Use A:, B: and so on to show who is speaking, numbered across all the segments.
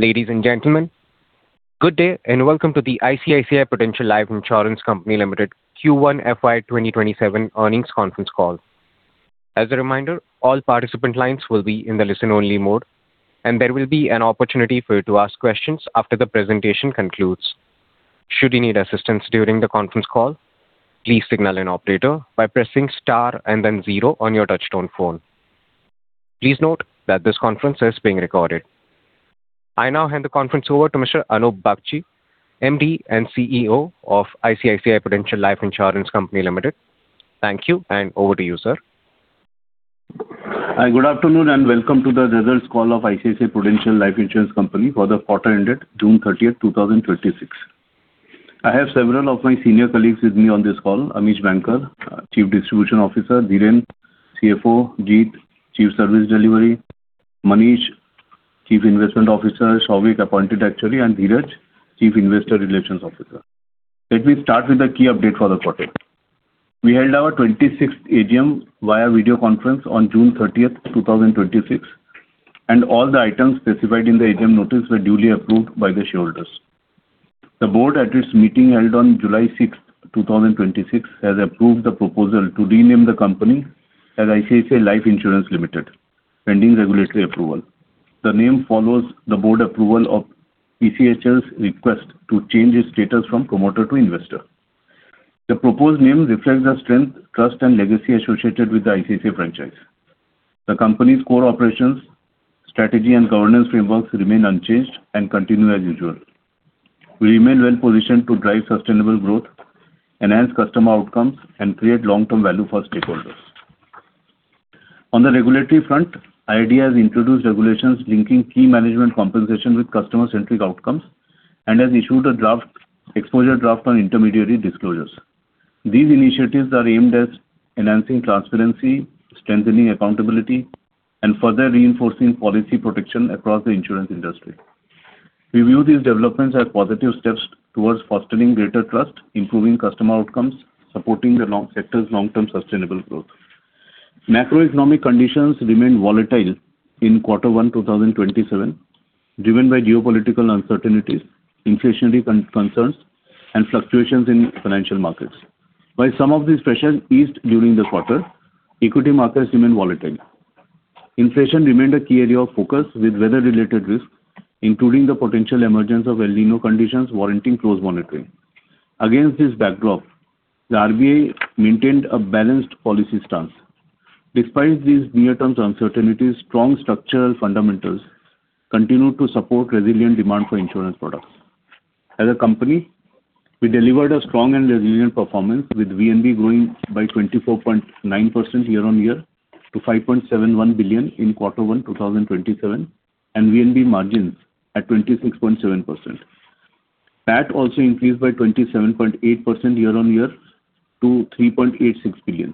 A: Ladies and gentlemen, good day and welcome to the ICICI Prudential Life Insurance Company Limited Q1 FY 2027 earnings conference call. As a reminder, all participant lines will be in the listen only mode, and there will be an opportunity for you to ask questions after the presentation concludes. Should you need assistance during the conference call, please signal an operator by pressing star and then zero on your touch-tone phone. Please note that this conference is being recorded. I now hand the conference over to Mr. Anup Bagchi, MD and CEO of ICICI Prudential Life Insurance Company Limited. Thank you, and over to you, sir.
B: Hi, good afternoon and welcome to the results call of ICICI Prudential Life Insurance Company for the quarter ended June 30th, 2026. I have several of my senior colleagues with me on this call. Amish Banker, Chief Distribution Officer, Dhiren, CFO. Judhajit, Chief Service Delivery, Manish, Chief Investment Officer, Souvik, Appointed Actuary and Dhiraj, Chief Investor Relations Officer. Let me start with the key update for the quarter. We held our 26th AGM via video conference on June 30th, 2026, and all the items specified in the AGM notice were duly approved by the shareholders. The Board at its meeting held on July 6, 2026, has approved the proposal to rename the company as ICICI Life Insurance Limited, pending regulatory approval. The name follows the Board approval of PCHL's request to change its status from promoter to investor. The proposed name reflects the strength, trust, and legacy associated with the ICICI franchise. The company's core operations, strategy, and governance frameworks remain unchanged and continue as usual. We remain well-positioned to drive sustainable growth, enhance customer outcomes, and create long-term value for stakeholders. On the regulatory front, IRDAI has introduced regulations linking key management compensation with customer-centric outcomes and has issued an exposure draft on intermediary disclosures. These initiatives are aimed as enhancing transparency, strengthening accountability, and further reinforcing policy protection across the insurance industry. We view these developments as positive steps towards fostering greater trust, improving customer outcomes, supporting the sector's long-term sustainable growth. Macroeconomic conditions remained volatile in quarter one 2027, driven by geopolitical uncertainties, inflationary concerns, and fluctuations in financial markets. While some of these pressures eased during the quarter, equity markets remained volatile. Inflation remained a key area of focus with weather-related risk, including the potential emergence of El Niño conditions warranting close monitoring. Against this backdrop, the RBI maintained a balanced policy stance. Despite these near-term uncertainties, strong structural fundamentals continue to support resilient demand for insurance products. As a company, we delivered a strong and resilient performance with VNB growing by 24.9% year-on-year to 5.71 billion in quarter one 2027, and VNB margins at 26.7%. PAT also increased by 27.8% year-on-year to 3.86 billion.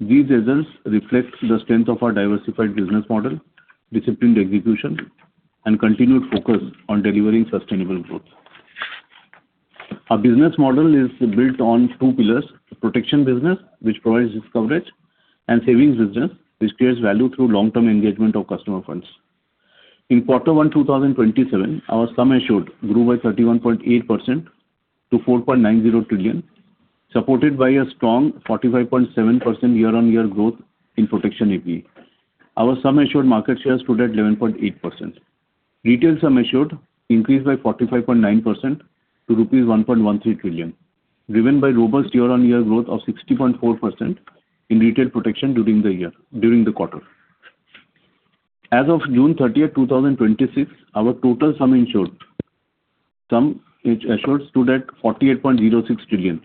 B: These results reflect the strength of our diversified business model, disciplined execution, and continued focus on delivering sustainable growth. Our business model is built on two pillars. Protection business, which provides its coverage, and savings business, which creates value through long-term engagement of customer funds. In quarter one 2027, our sum assured grew by 31.8% to 4.90 trillion, supported by a strong 45.7% year-on-year growth in protection APE. Our sum assured market share stood at 11.8%. Retail sum assured increased by 45.9% to rupees 1.13 trillion, driven by robust year-on-year growth of 60.4% in retail protection during the quarter. As of June 30, 2026, our total sum assured stood at 48.06 trillion,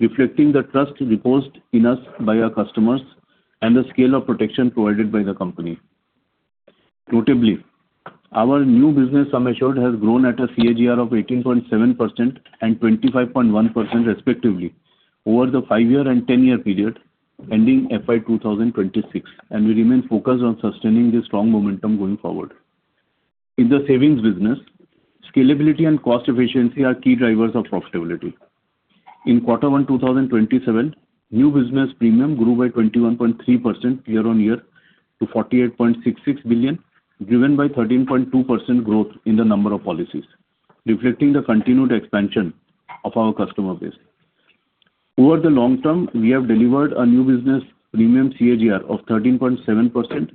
B: reflecting the trust reposed in us by our customers and the scale of protection provided by the company. Notably, our new business sum assured has grown at a CAGR of 18.7% and 25.1% respectively over the five-year and 10 year period ending FY 2026. We remain focused on sustaining this strong momentum going forward. In the savings business, scalability and cost efficiency are key drivers of profitability. In quarter one 2027, new business premium grew by 21.3% year-on-year to 48.66 billion, driven by 13.2% growth in the number of policies, reflecting the continued expansion of our customer base. Over the long term, we have delivered a new business premium CAGR of 13.7%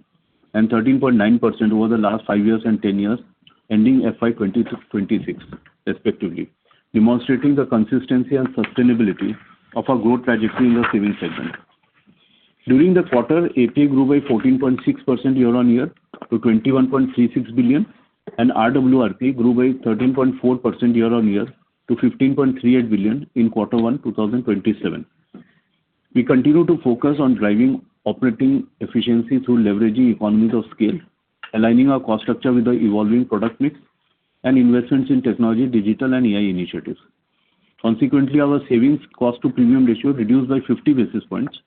B: and 13.9% over the last five years and 10 years ending FY 2026-2027 respectively, demonstrating the consistency and sustainability of our growth trajectory in the savings segment. During the quarter, APE grew by 14.6% year-on-year to 21.36 billion. RWRP grew by 13.4% year-on-year to 15.38 billion in quarter one 2027. We continue to focus on driving operating efficiency through leveraging economies of scale, aligning our cost structure with the evolving product mix and investments in technology, digital, and AI initiatives. Consequently, our savings cost to premium ratio reduced by 50 basis points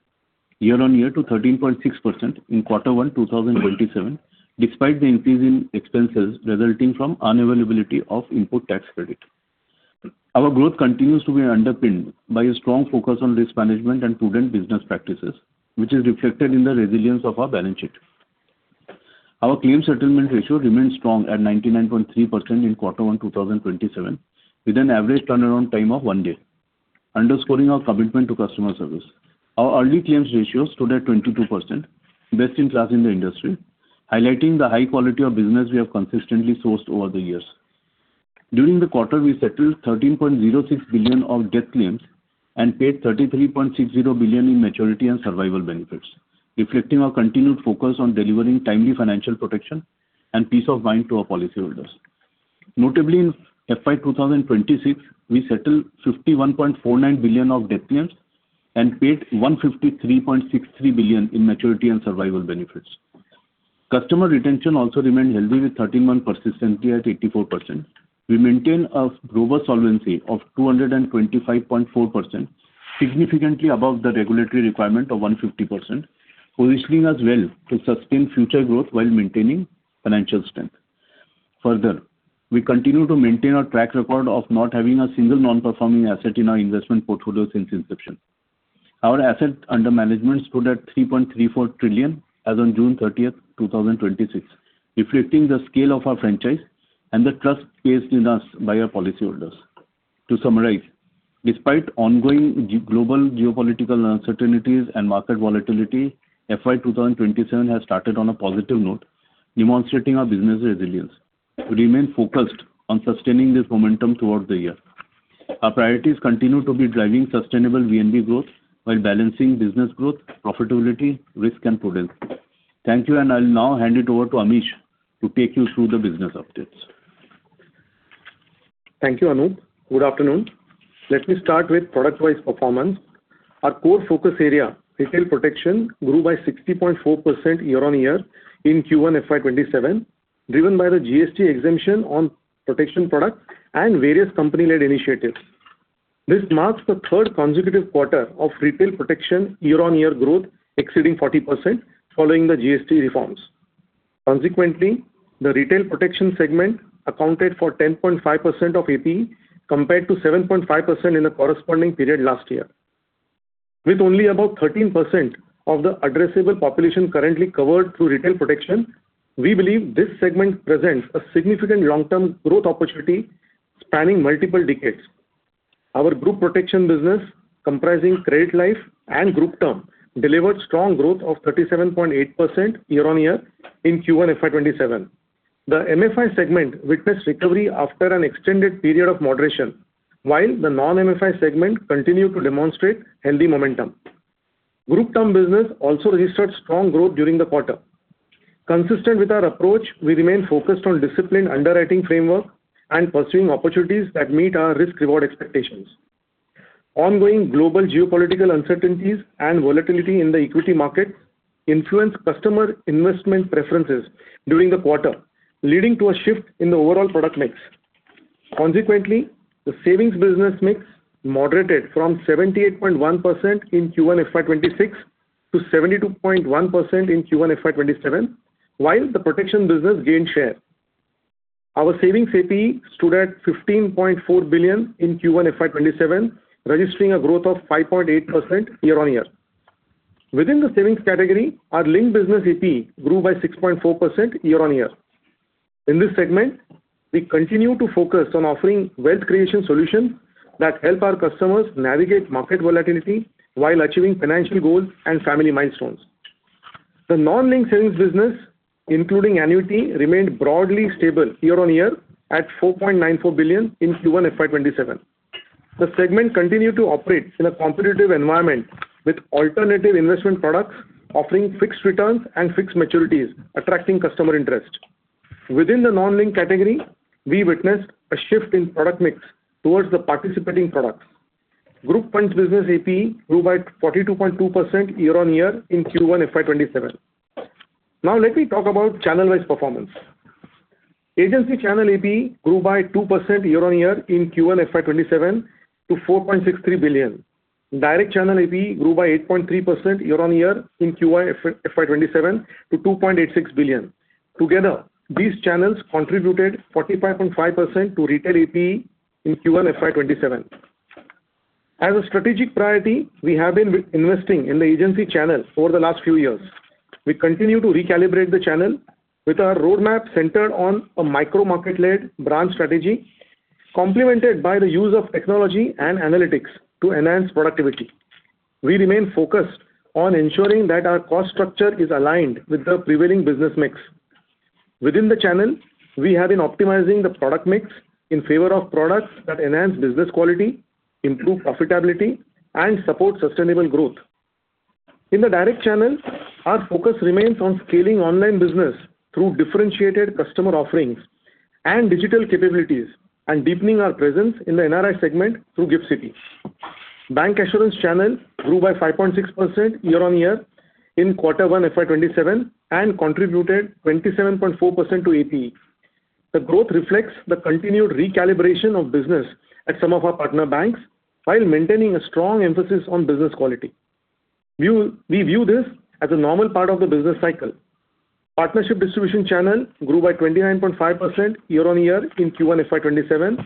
B: year-on-year to 13.6% in quarter one 2027, despite the increase in expenses resulting from unavailability of input tax credit. Our growth continues to be underpinned by a strong focus on risk management and prudent business practices, which is reflected in the resilience of our balance sheet. Our claim settlement ratio remains strong at 99.3% in quarter one 2027, with an average turnaround time of one day, underscoring our commitment to customer service. Our early claims ratio stood at 22%, best in class in the industry, highlighting the high quality of business we have consistently sourced over the years. During the quarter, we settled 13.06 billion of death claims and paid 33.60 billion in maturity and survival benefits, reflecting our continued focus on delivering timely financial protection and peace of mind to our policyholders. Notably, in FY 2026, we settled 51.49 billion of death claims and paid 153.63 billion in maturity and survival benefits. Customer retention also remained healthy, with 13-month persistency at 84%. We maintain a global solvency of 225.4%, significantly above the regulatory requirement of 150%, positioning us well to sustain future growth while maintaining financial strength. We continue to maintain our track record of not having a single non-performing asset in our investment portfolio since inception. Our asset under management stood at 3.34 trillion as on June 30th, 2026, reflecting the scale of our franchise and the trust placed in us by our policyholders. To summarize, despite ongoing global geopolitical uncertainties and market volatility, FY 2027 has started on a positive note, demonstrating our business resilience. We remain focused on sustaining this momentum throughout the year. Our priorities continue to be driving sustainable VNB growth while balancing business growth, profitability, risk, and prudence. Thank you, and I'll now hand it over to Amish to take you through the business updates.
C: Thank you, Anup. Good afternoon. Let me start with product-wise performance. Our core focus area, retail protection, grew by 60.4% year-on-year in Q1 FY 2027, driven by the GST exemption on protection products and various company-led initiatives. This marks the third consecutive quarter of retail protection year-on-year growth exceeding 40% following the GST reforms. Consequently, the retail protection segment accounted for 10.5% of APE, compared to 7.5% in the corresponding period last year. With only about 13% of the addressable population currently covered through retail protection, we believe this segment presents a significant long-term growth opportunity spanning multiple decades. Our group protection business, comprising credit life and Group Term, delivered strong growth of 37.8% year-on-year in Q1 FY 2027. The MFI segment witnessed recovery after an extended period of moderation, while the non-MFI segment continued to demonstrate healthy momentum. Group Term business also registered strong growth during the quarter. Consistent with our approach, we remain focused on disciplined underwriting framework and pursuing opportunities that meet our risk-reward expectations. Ongoing global geopolitical uncertainties and volatility in the equity market influenced customer investment preferences during the quarter, leading to a shift in the overall product mix. The savings business mix moderated from 78.1% in Q1 FY 2026 to 72.1% in Q1 FY 2027, while the protection business gained share. Our savings APE stood at 15.4 billion in Q1 FY 2027, registering a growth of 5.8% year-on-year. Within the savings category, our linked business APE grew by 6.4% year-on-year. In this segment, we continue to focus on offering wealth creation solutions that help our customers navigate market volatility while achieving financial goals and family milestones. The non-linked savings business, including annuity, remained broadly stable year-on-year at 4.94 billion in Q1 FY 2027. The segment continued to operate in a competitive environment, with alternative investment products offering fixed returns and fixed maturities attracting customer interest. Within the non-linked category, we witnessed a shift in product mix towards the participating products. Group funds business APE grew by 42.2% year-on-year in Q1 FY 2027. Let me talk about channel-wise performance. Agency channel APE grew by 2% year-on-year in Q1 FY 2027 to 4.63 billion. Direct channel APE grew by 8.3% year-on-year in Q1 FY 2027 to 2.86 billion. Together, these channels contributed 45.5% to retail APE in Q1 FY 2027. As a strategic priority, we have been investing in the agency channel for the last few years. We continue to recalibrate the channel with our roadmap centered on a micro-market-led brand strategy, complemented by the use of technology and analytics to enhance productivity. We remain focused on ensuring that our cost structure is aligned with the prevailing business mix. Within the channel, we have been optimizing the product mix in favor of products that enhance business quality, improve profitability, and support sustainable growth. In the direct channel, our focus remains on scaling online business through differentiated customer offerings and digital capabilities and deepening our presence in the NRI segment through GIFT City. Bancassurance channel grew by 5.6% year-on-year in quarter one FY 2027 and contributed 27.4% to APE. The growth reflects the continued recalibration of business at some of our partner banks while maintaining a strong emphasis on business quality. We view this as a normal part of the business cycle. Partnership distribution channel grew by 29.5% year-on-year in Q1 FY 2027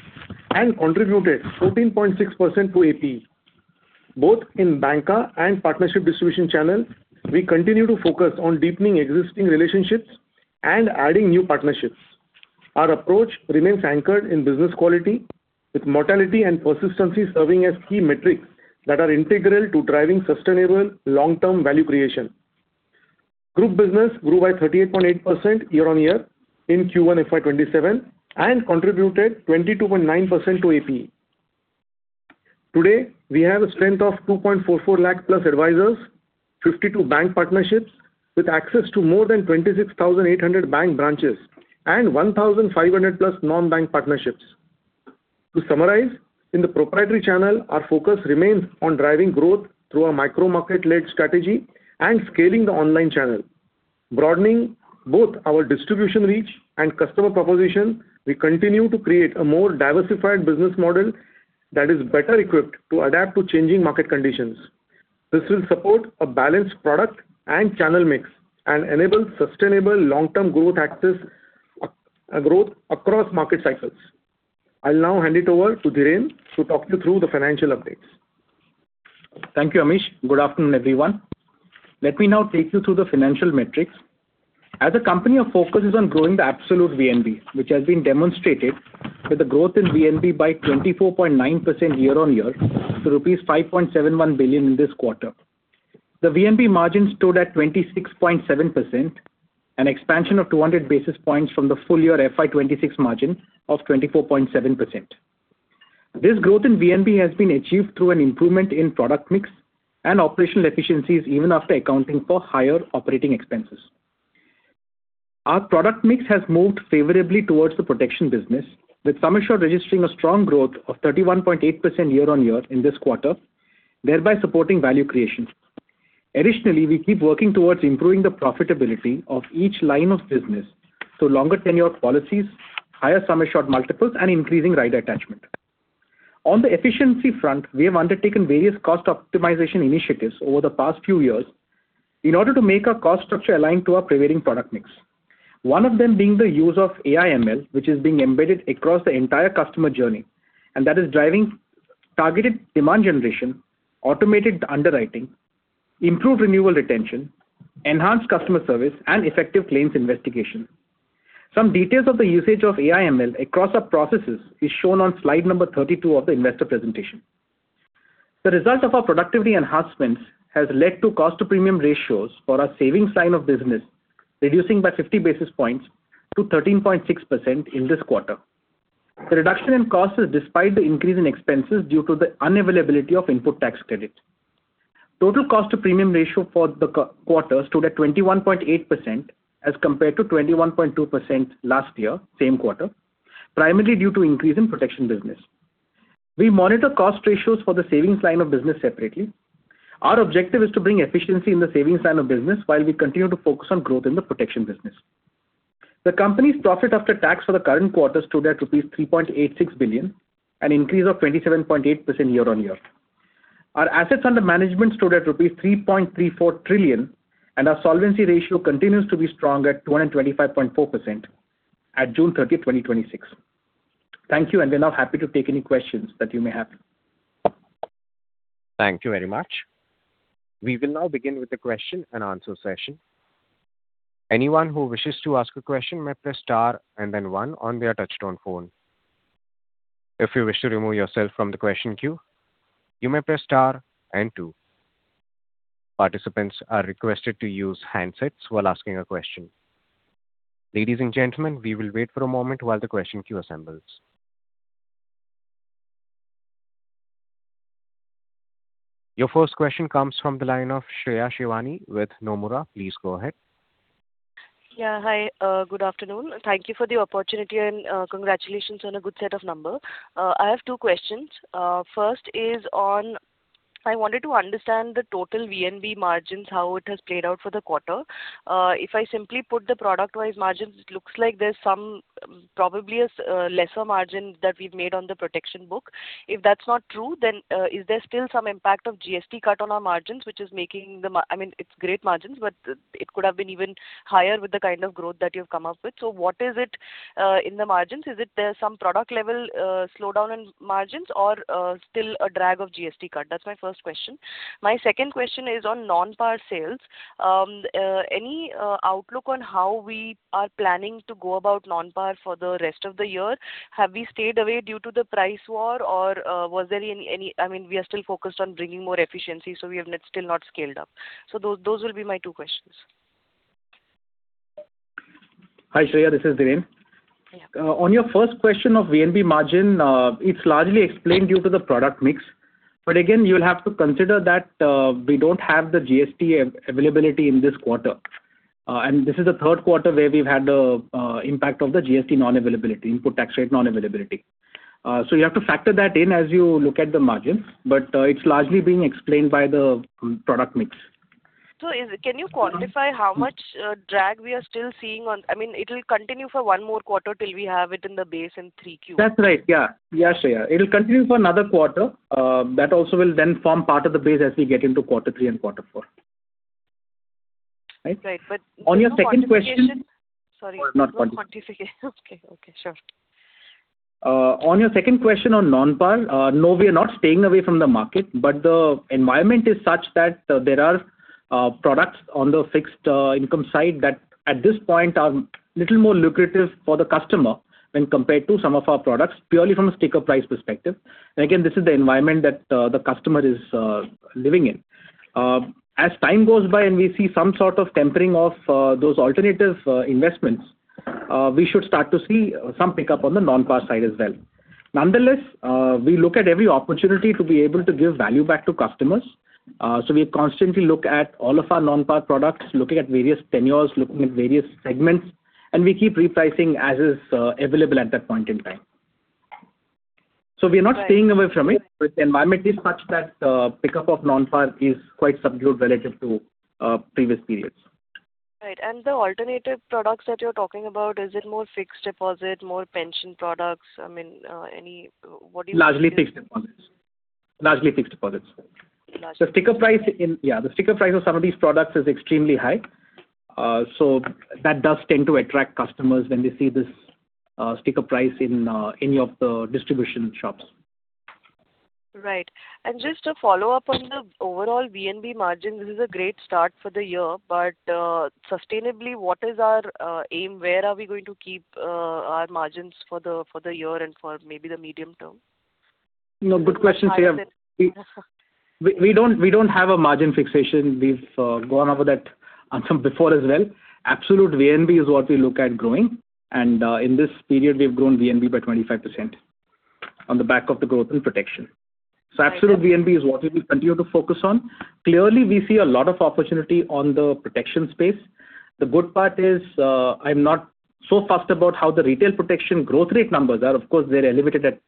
C: and contributed 14.6% to APE. Both in banca and partnership distribution channel, we continue to focus on deepening existing relationships and adding new partnerships. Our approach remains anchored in business quality, with mortality and persistency serving as key metrics that are integral to driving sustainable long-term value creation. Group business grew by 38.8% year-on-year in Q1 FY 2027 and contributed 22.9% to APE. Today, we have a strength of 2.44 lakh plus advisors, 52 bank partnerships with access to more than 26,800 bank branches, and 1,500+ non-bank partnerships. To summarize, in the proprietary channel, our focus remains on driving growth through a micro market-led strategy and scaling the online channel. Broadening both our distribution reach and customer proposition, we continue to create a more diversified business model that is better equipped to adapt to changing market conditions. This will support a balanced product and channel mix and enable sustainable long-term growth across market cycles. I'll now hand it over to Dhiren to talk you through the financial updates.
D: Thank you, Amish. Good afternoon, everyone. Let me now take you through the financial metrics. As a company, our focus is on growing the absolute VNB, which has been demonstrated with a growth in VNB by 24.9% year-on-year to rupees 5.71 billion in this quarter. The VNB margin stood at 26.7%, an expansion of 200 basis points from the full year FY 2026 margin of 24.7%. This growth in VNB has been achieved through an improvement in product mix and operational efficiencies, even after accounting for higher operating expenses. Our product mix has moved favorably towards the protection business, with sum assured registering a strong growth of 31.8% year-on-year in this quarter, thereby supporting value creation. Additionally, we keep working towards improving the profitability of each line of business to longer tenure policies, higher sum assured multiples, and increasing rider attachment. On the efficiency front, we have undertaken various cost optimization initiatives over the past few years in order to make our cost structure aligned to our prevailing product mix. One of them being the use of AI/ML, which is being embedded across the entire customer journey, and that is driving targeted demand generation, automated underwriting, improved renewal retention, enhanced customer service, and effective claims investigation. Some details of the usage of AI/ML across our processes is shown on slide number 32 of the investor presentation. The result of our productivity enhancements has led to cost-to-premium ratios for our savings line of business reducing by 50 basis points to 13.6% in this quarter. The reduction in cost is despite the increase in expenses due to the unavailability of input tax credit. Total cost to premium ratio for the quarter stood at 21.8%, as compared to 21.2% last year, same quarter, primarily due to increase in protection business. We monitor cost ratios for the savings line of business separately. Our objective is to bring efficiency in the savings line of business while we continue to focus on growth in the protection business. The company's profit after tax for the current quarter stood at rupees 3.86 billion, an increase of 27.8% year-on-year. Our assets under management stood at rupees 3.34 trillion, and our solvency ratio continues to be strong at 225.4% at June 30, 2026. Thank you. We're now happy to take any questions that you may have.
A: Thank you very much. We will now begin with the question-and-answer session. Anyone who wishes to ask a question may press star and then one on their touchtone phone. If you wish to remove yourself from the question queue, you may press star and two. Participants are requested to use handsets while asking a question. Ladies and gentlemen, we will wait for a moment while the question queue assembles. Your first question comes from the line of Shreya Shivani with Nomura. Please go ahead.
E: Yeah. Hi, good afternoon. Thank you for the opportunity and congratulations on a good set of numbers. I have two questions. First, I wanted to understand the total VNB margins, how it has played out for the quarter. If I simply put the product wise margins, it looks like there's probably a lesser margin that we've made on the protection book. If that's not true, then is there still some impact of GST cut on our margins? I mean, it's great margins, but it could have been even higher with the kind of growth that you've come up with. What is it in the margins? Is it there's some product level slowdown in margins or still a drag of GST cut? That's my first question. My second question is on non-par sales. Any outlook on how we are planning to go about non-par for the rest of the year? Have we stayed away due to the price war or are we still focused on bringing more efficiency, so we have still not scaled up? Those will be my two questions.
D: Hi, Shreya. This is Dhiren.
E: Yeah.
D: On your first question of VNB margin, it's largely explained due to the product mix. Again, you'll have to consider that we don't have the GST availability in this quarter. This is the third quarter where we've had the impact of the GST non-availability, input tax rate non-availability. You have to factor that in as you look at the margin, but it's largely being explained by the product mix.
E: Can you quantify how much drag we are still seeing on? It will continue for one more quarter till we have it in the base in 3Q?
D: That's right. Yeah, Shreya. It'll continue for another quarter. That also will form part of the base as we get into quarter three and quarter four. Right?
E: Right.
D: On your second question.
E: Sorry.
D: No, not quantification.
E: Okay. Sure.
D: On your second question on non-par, no, we are not staying away from the market. The environment is such that there are products on the fixed income side that at this point are little more lucrative for the customer when compared to some of our products, purely from a sticker price perspective. Again, this is the environment that the customer is living in. As time goes by and we see some sort of tempering of those alternative investments, we should start to see some pickup on the non-par side as well. Nonetheless, we look at every opportunity to be able to give value back to customers. We constantly look at all of our non-par products, looking at various tenures, looking at various segments, and we keep repricing as is available at that point in time. We are not staying away from it, the environment is such that pickup of non-par is quite subdued relative to previous periods.
E: Right. The alternative products that you're talking about, is it more fixed deposit, more pension products, I mean-- What do-
D: Largely fixed deposits. The sticker price of some of these products is extremely high. That does tend to attract customers when they see this sticker price in any of the distribution shops.
E: Right. Just a follow-up on the overall VNB margin. This is a great start for the year, but sustainably, what is our aim? Where are we going to keep our margins for the year and for maybe the medium term?
D: No, good question, Shreya. We don't have a margin fixation. We've gone over that before as well. Absolute VNB is what we look at growing. In this period, we've grown VNB by 25% on the back of the growth in protection. Absolute VNB is what we will continue to focus on. Clearly, we see a lot of opportunity on the protection space. The good part is, I'm not so fussed about how the retail protection growth rate numbers are. Of course, they're elevated at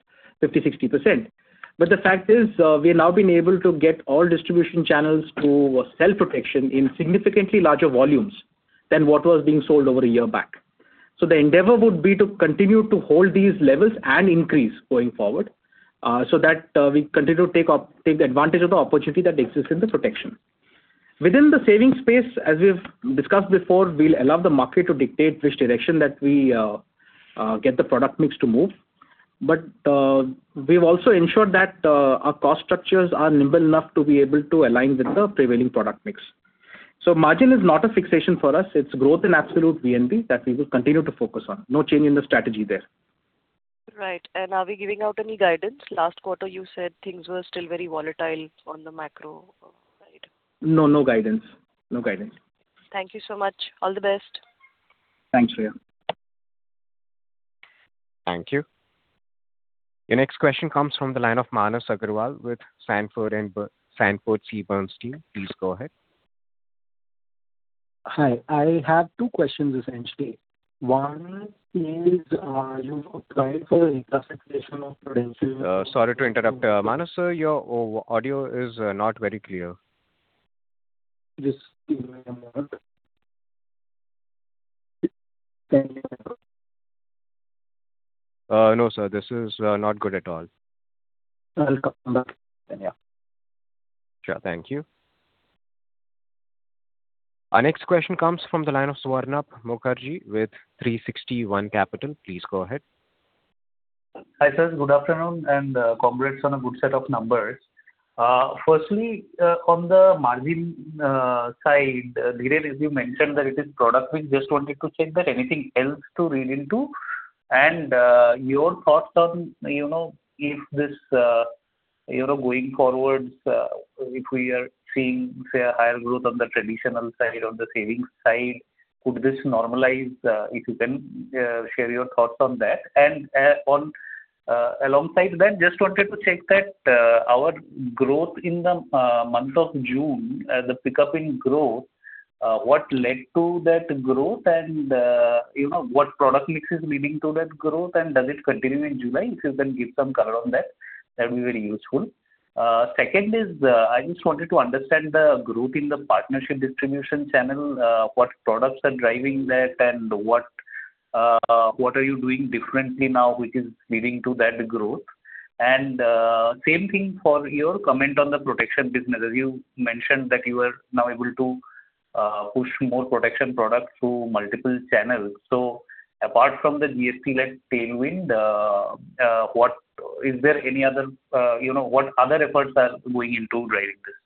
D: 50%, 60%. The fact is, we have now been able to get all distribution channels to sell protection in significantly larger volumes than what was being sold over one year back. The endeavor would be to continue to hold these levels and increase going forward so that we continue to take the advantage of the opportunity that exists in the protection. Within the savings space, as we've discussed before, we'll allow the market to dictate which direction that we get the product mix to move. We've also ensured that our cost structures are nimble enough to be able to align with the prevailing product mix. Margin is not a fixation for us. It's growth in absolute VNB that we will continue to focus on. No change in the strategy there.
E: Right. Are we giving out any guidance? Last quarter you said things were still very volatile on the macro side.
D: No guidance.
E: Thank you so much. All the best.
D: Thanks, Shreya.
A: Thank you. Your next question comes from the line of Manas Agrawal with Sanford C. Bernstein. Please go ahead.
F: Hi. I have two questions essentially. One is for the reclassification of Prudential-
A: Sorry to interrupt. Manas, your audio is not very clear.
F: Just give me a moment. Can you hear me now?
A: No, sir. This is not good at all.
F: I'll come back then, yeah.
A: Sure. Thank you. Our next question comes from the line of Swarnabha Mukherjee with 360 ONE Capital. Please go ahead.
G: Hi, sirs. Good afternoon. Congrats on a good set of numbers. Firstly, on the margin side, Dhiren, as you mentioned that it is product mix, just wanted to check that anything else to read into and your thoughts on if this going forwards if we are seeing, say, a higher growth on the traditional side, on the savings side, could this normalize? If you can share your thoughts on that. Alongside that, just wanted to check that our growth in the month of June, the pickup in growth, what led to that growth and what product mix is leading to that growth and does it continue in July? If you can give some color on that'd be very useful. Second is, I just wanted to understand the growth in the partnership distribution channel, what products are driving that and what are you doing differently now which is leading to that growth? Same thing for your comment on the protection business, as you mentioned that you are now able to push more protection products through multiple channels. Apart from the GST-led tailwind, what other efforts are going into driving this?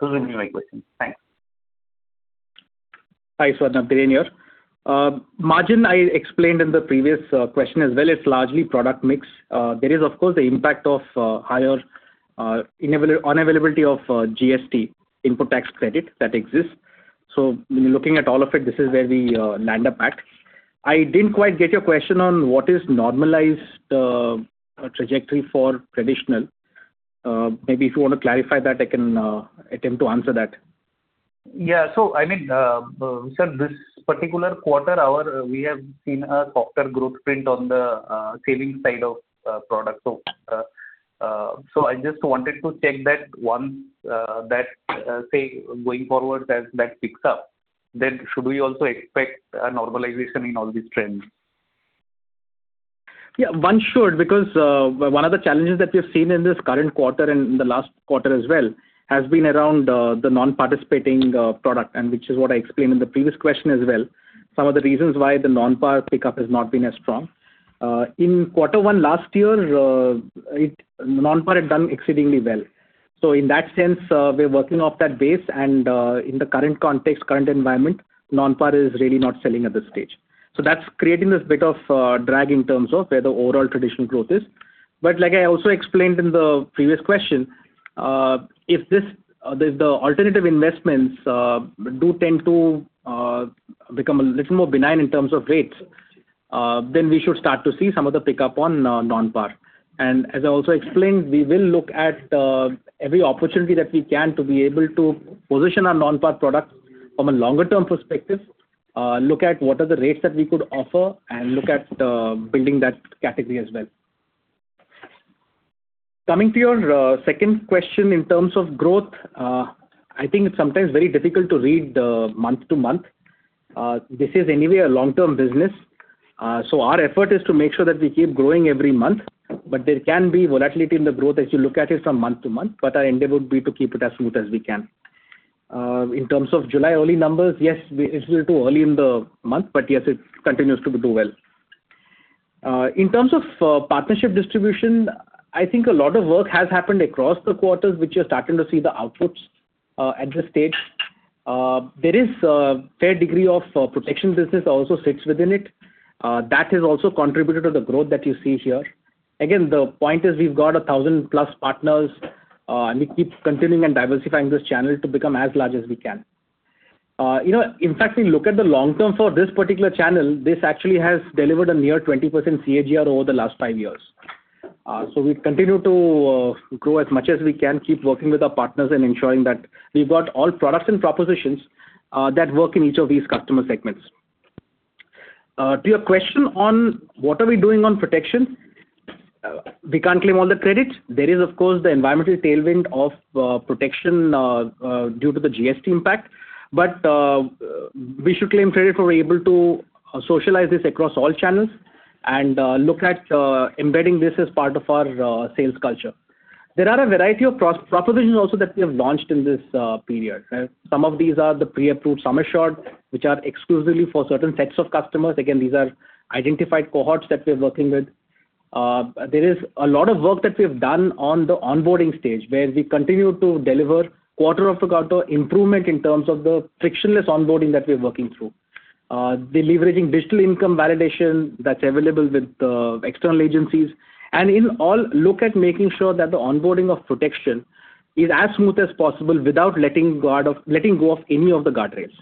G: Those will be my questions. Thanks.
D: Hi, Swarnabha. Dhiren here. Margin, I explained in the previous question as well. It's largely product mix. There is, of course, the impact of higher unavailability of GST input tax credit that exists. When looking at all of it, this is where we land up at. I didn't quite get your question on what is normalized trajectory for traditional. Maybe if you want to clarify that, I can attempt to answer that.
G: Yeah. I mean, sir, this particular quarter we have seen a softer growth print on the savings side of products. I just wanted to check that once that, say, going forward as that picks up, should we also expect a normalization in all these trends?
D: Yeah, one should because one of the challenges that we've seen in this current quarter and in the last quarter as well has been around the non-participating product and which is what I explained in the previous question as well, some of the reasons why the non-par pickup has not been as strong. In quarter one last year, non-par had done exceedingly well. In that sense, we're working off that base and in the current context, current environment, non-par is really not selling at this stage. That's creating this bit of drag in terms of where the overall traditional growth is. Like I also explained in the previous question, if the alternative investments do tend to become a little more benign in terms of rates then we should start to see some of the pickup on non-par. As I also explained, we will look at every opportunity that we can to be able to position our non-par product from a longer term perspective, look at what are the rates that we could offer and look at building that category as well. Coming to your second question in terms of growth, I think it's sometimes very difficult to read the month-to-month. This is anyway a long-term business, so our effort is to make sure that we keep growing every month, but there can be volatility in the growth as you look at it from month-to-month, but our endeavor would be to keep it as smooth as we can. In terms of July early numbers, yes, it's little too early in the month, but yes, it continues to do well. In terms of partnership distribution, I think a lot of work has happened across the quarters, which you're starting to see the outputs at this stage. There is a fair degree of protection business also sits within it. That has also contributed to the growth that you see here. Again, the point is we've got a 1,000+ partners and we keep continuing and diversifying this channel to become as large as we can. In fact, we look at the long term for this particular channel, this actually has delivered a near 20% CAGR over the last five years. We continue to grow as much as we can, keep working with our partners and ensuring that we've got all products and propositions that work in each of these customer segments. To your question on what are we doing on protection, we can't claim all the credit. There is of course the environmental tailwind of protection due to the GST impact. We should claim credit for able to socialize this across all channels and look at embedding this as part of our sales culture. There are a variety of propositions also that we have launched in this period. Some of these are the pre-approved sum assured, which are exclusively for certain sets of customers. Again, these are identified cohorts that we're working with. There is a lot of work that we've done on the onboarding stage where we continue to deliver quarter-after-quarter improvement in terms of the frictionless onboarding that we're working through. Leveraging digital income validation that's available with external agencies and in all look at making sure that the onboarding of protection is as smooth as possible without letting go of any of the guardrails.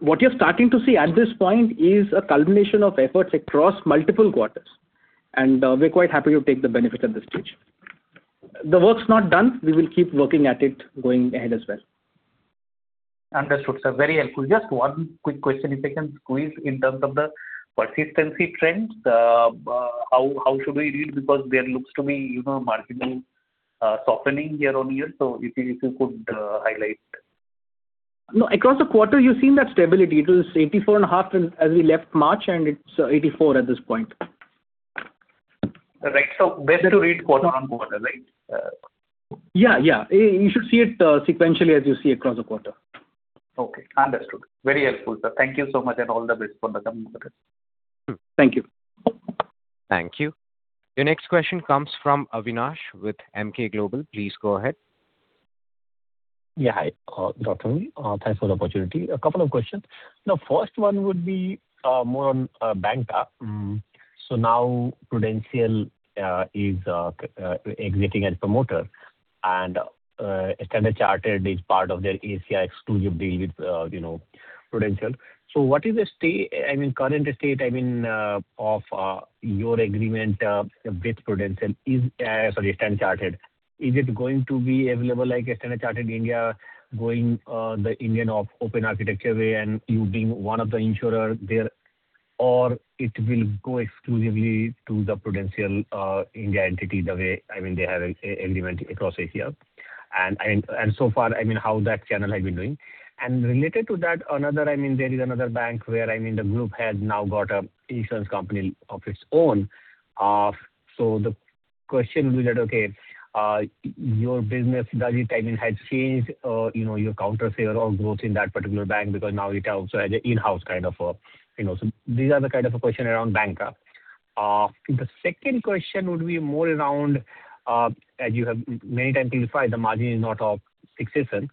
D: What you're starting to see at this point is a culmination of efforts across multiple quarters and we're quite happy to take the benefit at this stage. The work's not done. We will keep working at it going ahead as well.
G: Understood, sir. Very helpful. Just one quick question, if I can squeeze in terms of the persistency trends. How should we read? Because there looks to me marginal softening year-on-year. If you could highlight.
D: Across the quarter you've seen that stability. It was 84.5% as we left March and it's 84% at this point.
G: Right. Best to read quarter-on-quarter, right?
D: Yeah. You should see it sequentially as you see across the quarter.
G: Okay. Understood. Very helpful, sir. Thank you so much and all the best for the coming quarters.
D: Thank you.
A: Thank you. Your next question comes from Avinash with MK Global. Please go ahead.
H: Yeah. Hi, [inaudible] Thanks for the opportunity. A couple of questions. The first one would be more on [bank top]. Now Prudential is exiting as promoter and Standard Chartered is part of their ACI exclusive deal with Prudential. What is the current state of your agreement with Standard Chartered? Is it going to be available like Standard Chartered India going the Indian open architecture way and you being one of the insurer there or it will go exclusively to the Prudential India entity the way they have agreement across Asia and so far how that channel has been doing? Related to that, there is another bank where the group has now got an insurance company of its own. The question would be that, okay, your business, does it had changed your counter share or growth in that particular bank because now it also has an in-house kind of a. These are the kind of a question around bank. The second question would be more around as you have many times clarified the margin is not of fixation,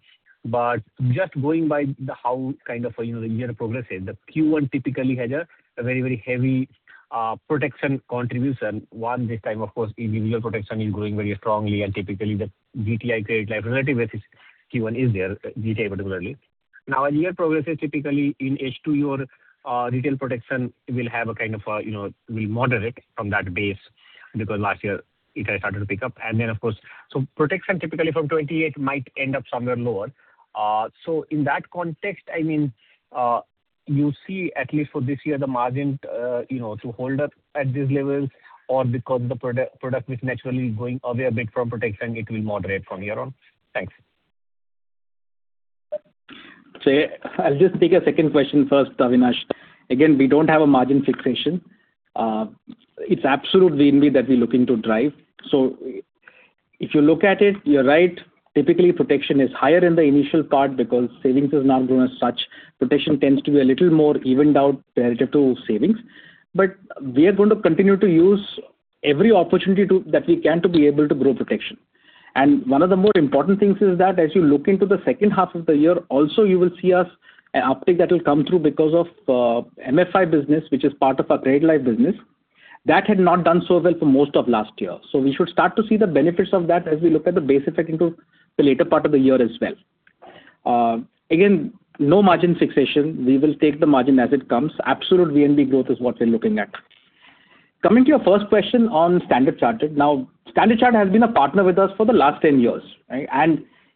H: but just going by the how kind of year progresses, the Q1 typically has a very heavy protection contribution. This time of course individual protection is growing very strongly and typically the GTI credit life relativity versus Q1 is there, GTA particularly. As year progresses typically in H2 your retail protection will moderate from that base because last year it had started to pick up and then of course some protection typically from 28 might end up somewhere lower. In that context, I mean you see, at least for this year, the margin to hold up at these levels or because the product is naturally going away a bit from protection, it will moderate from here on? Thanks.
D: Yeah, I'll just take a second question first, Avinash. Again, we don't have a margin fixation. It's absolute VNB that we're looking to drive. If you look at it, you're right. Typically, protection is higher in the initial part because savings is not doing as such. Protection tends to be a little more evened out relative to savings. We are going to continue to use every opportunity that we can to be able to grow protection. One of the more important things is that as you look into the second half of the year, also you will see an uptick that will come through because of MFI business, which is part of our credit life business. That had not done so well for most of last year. We should start to see the benefits of that as we look at the base effect into the later part of the year as well. Again, no margin fixation. We will take the margin as it comes. Absolute VNB growth is what we're looking at. Coming to your first question on Standard Chartered. Standard Chartered has been a partner with us for the last 10 years, right?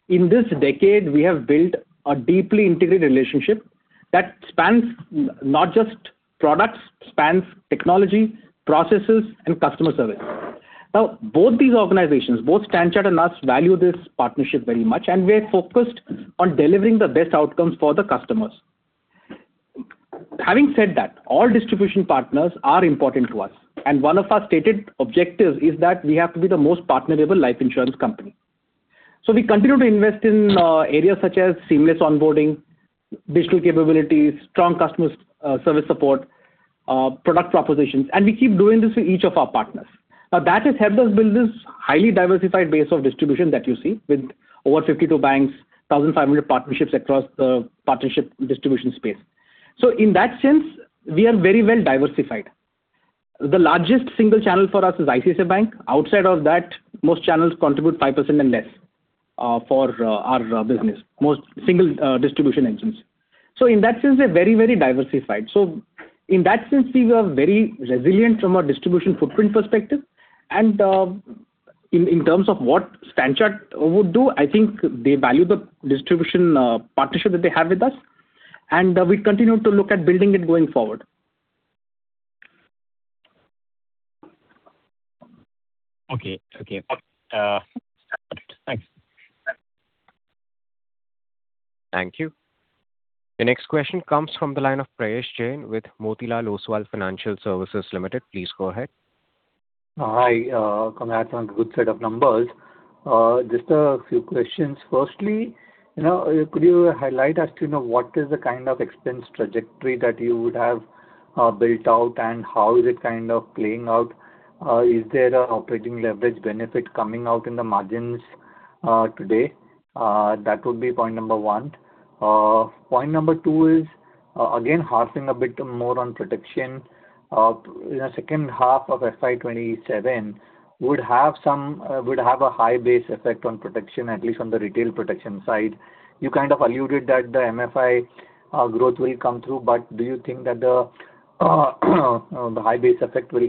D: In this decade, we have built a deeply integrated relationship that spans not just products, spans technology, processes, and customer service. Both these organizations, both Standard Chartered and us, value this partnership very much, and we're focused on delivering the best outcomes for the customers. Having said that, all distribution partners are important to us, and one of our stated objectives is that we have to be the most partner-able life insurance company. We continue to invest in areas such as seamless onboarding, digital capabilities, strong customer service support, product propositions, and we keep doing this with each of our partners. That has helped us build this highly diversified base of distribution that you see with over 52 banks, 1,500 partnerships across the partnership distribution space. In that sense, we are very well diversified. The largest single channel for us is ICICI Bank. Outside of that, most channels contribute 5% and less for our business, most single distribution engines. In that sense, we are very diversified. In that sense, we are very resilient from a distribution footprint perspective. In terms of what Standard Chartered would do, I think they value the distribution partnership that they have with us, and we continue to look at building it going forward.
H: Okay. Got it. Thanks.
A: Thank you. The next question comes from the line of Prayesh Jain with Motilal Oswal Financial Services Limited. Please go ahead.
I: Hi. Congrats on good set of numbers. Just a few questions. Firstly, could you highlight as to what is the kind of expense trajectory that you would have built out, and how is it playing out? Is there an operating leverage benefit coming out in the margins today? That would be point number one. Point number two is, again, harping a bit more on protection. In the second half of FY 2027 would have a high base effect on protection, at least on the retail protection side. You kind of alluded that the MFI growth will come through, but do you think that the high base effect will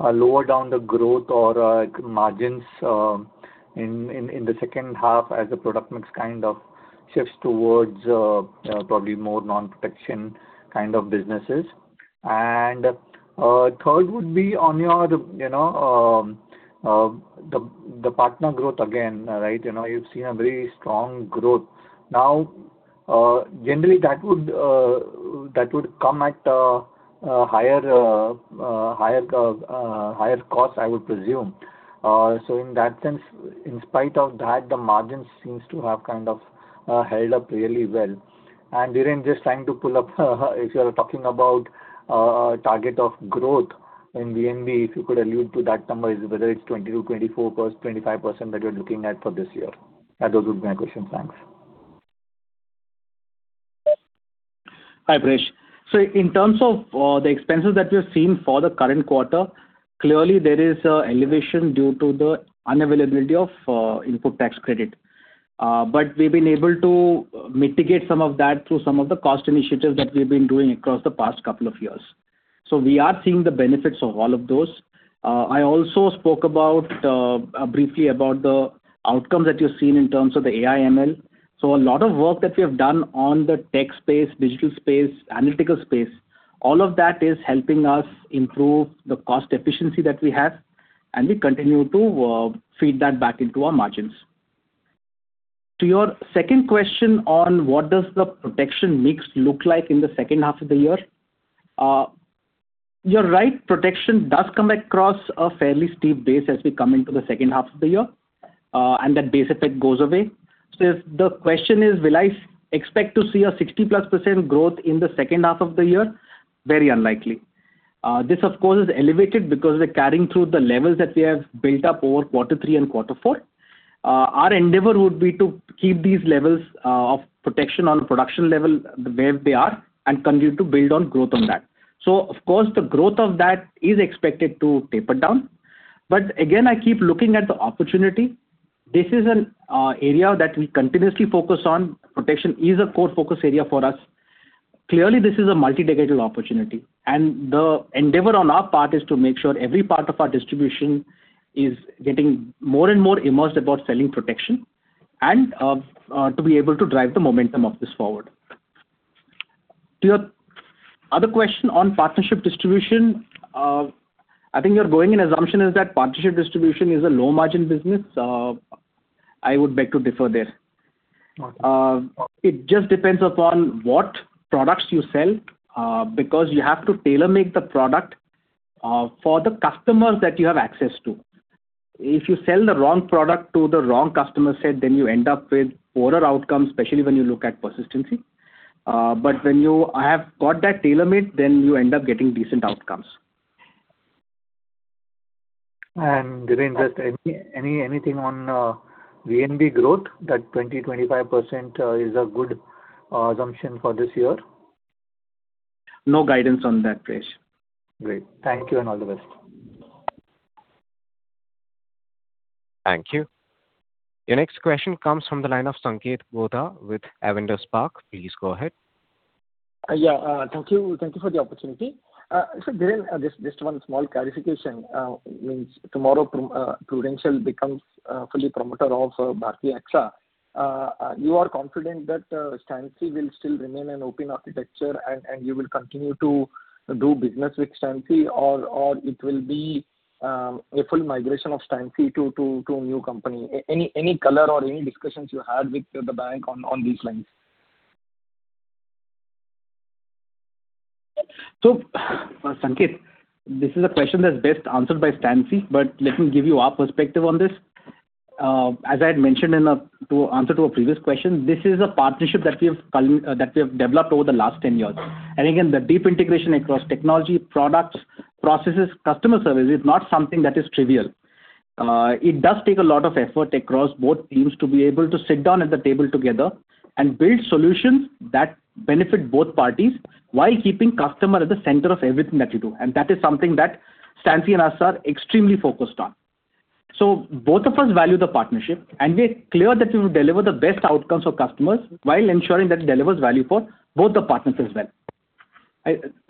I: lower down the growth or margins in the second half as the product mix shifts towards probably more non-protection kind of businesses? Third would be on the partner growth again. You've seen a very strong growth. Generally, that would come at a higher cost, I would presume. In that sense, in spite of that, the margin seems to have held up really well. Just trying to pull up, if you're talking about target of growth in VNB, if you could allude to that number is whether it's 22%, 24%, 25% that you're looking at for this year. That would be my question. Thanks.
D: Hi, Prayesh. In terms of the expenses that we're seeing for the current quarter, clearly there is an elevation due to the unavailability of input tax credit. We've been able to mitigate some of that through some of the cost initiatives that we've been doing across the past couple of years. We are seeing the benefits of all of those. I also spoke briefly about the outcomes that you're seeing in terms of the AI/ML. A lot of work that we have done on the tech space, digital space, analytical space, all of that is helping us improve the cost efficiency that we have, and we continue to feed that back into our margins. To your second question on what does the protection mix look like in the second half of the year. You're right, protection does come across a fairly steep base as we come into the second half of the year, and that base effect goes away. The question is, will I expect to see a 60%+ growth in the second half of the year? Very unlikely. This of course is elevated because we're carrying through the levels that we have built up over quarter three and quarter four. Our endeavor would be to keep these levels of protection on production level where they are and continue to build on growth on that. Of course, the growth of that is expected to taper down. Again, I keep looking at the opportunity. This is an area that we continuously focus on. Protection is a core focus area for us. Clearly, this is a multi-decadal opportunity and the endeavor on our part is to make sure every part of our distribution is getting more and more immersed about selling protection. To be able to drive the momentum of this forward. To your other question on partnership distribution, I think you're going in assumption is that partnership distribution is a low-margin business. I would beg to differ there.
I: Okay.
D: It just depends upon what products you sell because you have to tailor-make the product for the customers that you have access to. If you sell the wrong product to the wrong customer set, then you end up with poorer outcomes, especially when you look at persistency. When you have got that tailor-made, then you end up getting decent outcomes.
I: Dhiren, just anything on VNB growth, that 20%-25% is a good assumption for this year?
D: No guidance on that, Prayesh.
I: Great. Thank you, and all the best.
A: Thank you. Your next question comes from the line of Sanketh Godha with Avendus Spark. Please go ahead.
J: Yeah. Thank you for the opportunity. Dhiren, just one small clarification. Means tomorrow, Prudential becomes fully promoter of Bharti AXA. You are confident that StanC will still remain an open architecture and you will continue to do business with StanC or it will be a full migration of StanC to new company? Any color or any discussions you had with the bank on these lines?
D: Sanketh, this is a question that's best answered by StanC, but let me give you our perspective on this. As I had mentioned in answer to a previous question, this is a partnership that we have developed over the last 10 years. Again, the deep integration across technology, products, processes, customer service is not something that is trivial. It does take a lot of effort across both teams to be able to sit down at the table together and build solutions that benefit both parties while keeping customer at the center of everything that we do. That is something that StanC and us are extremely focused on. Both of us value the partnership, and we're clear that we will deliver the best outcomes for customers while ensuring that it delivers value for both the partners as well.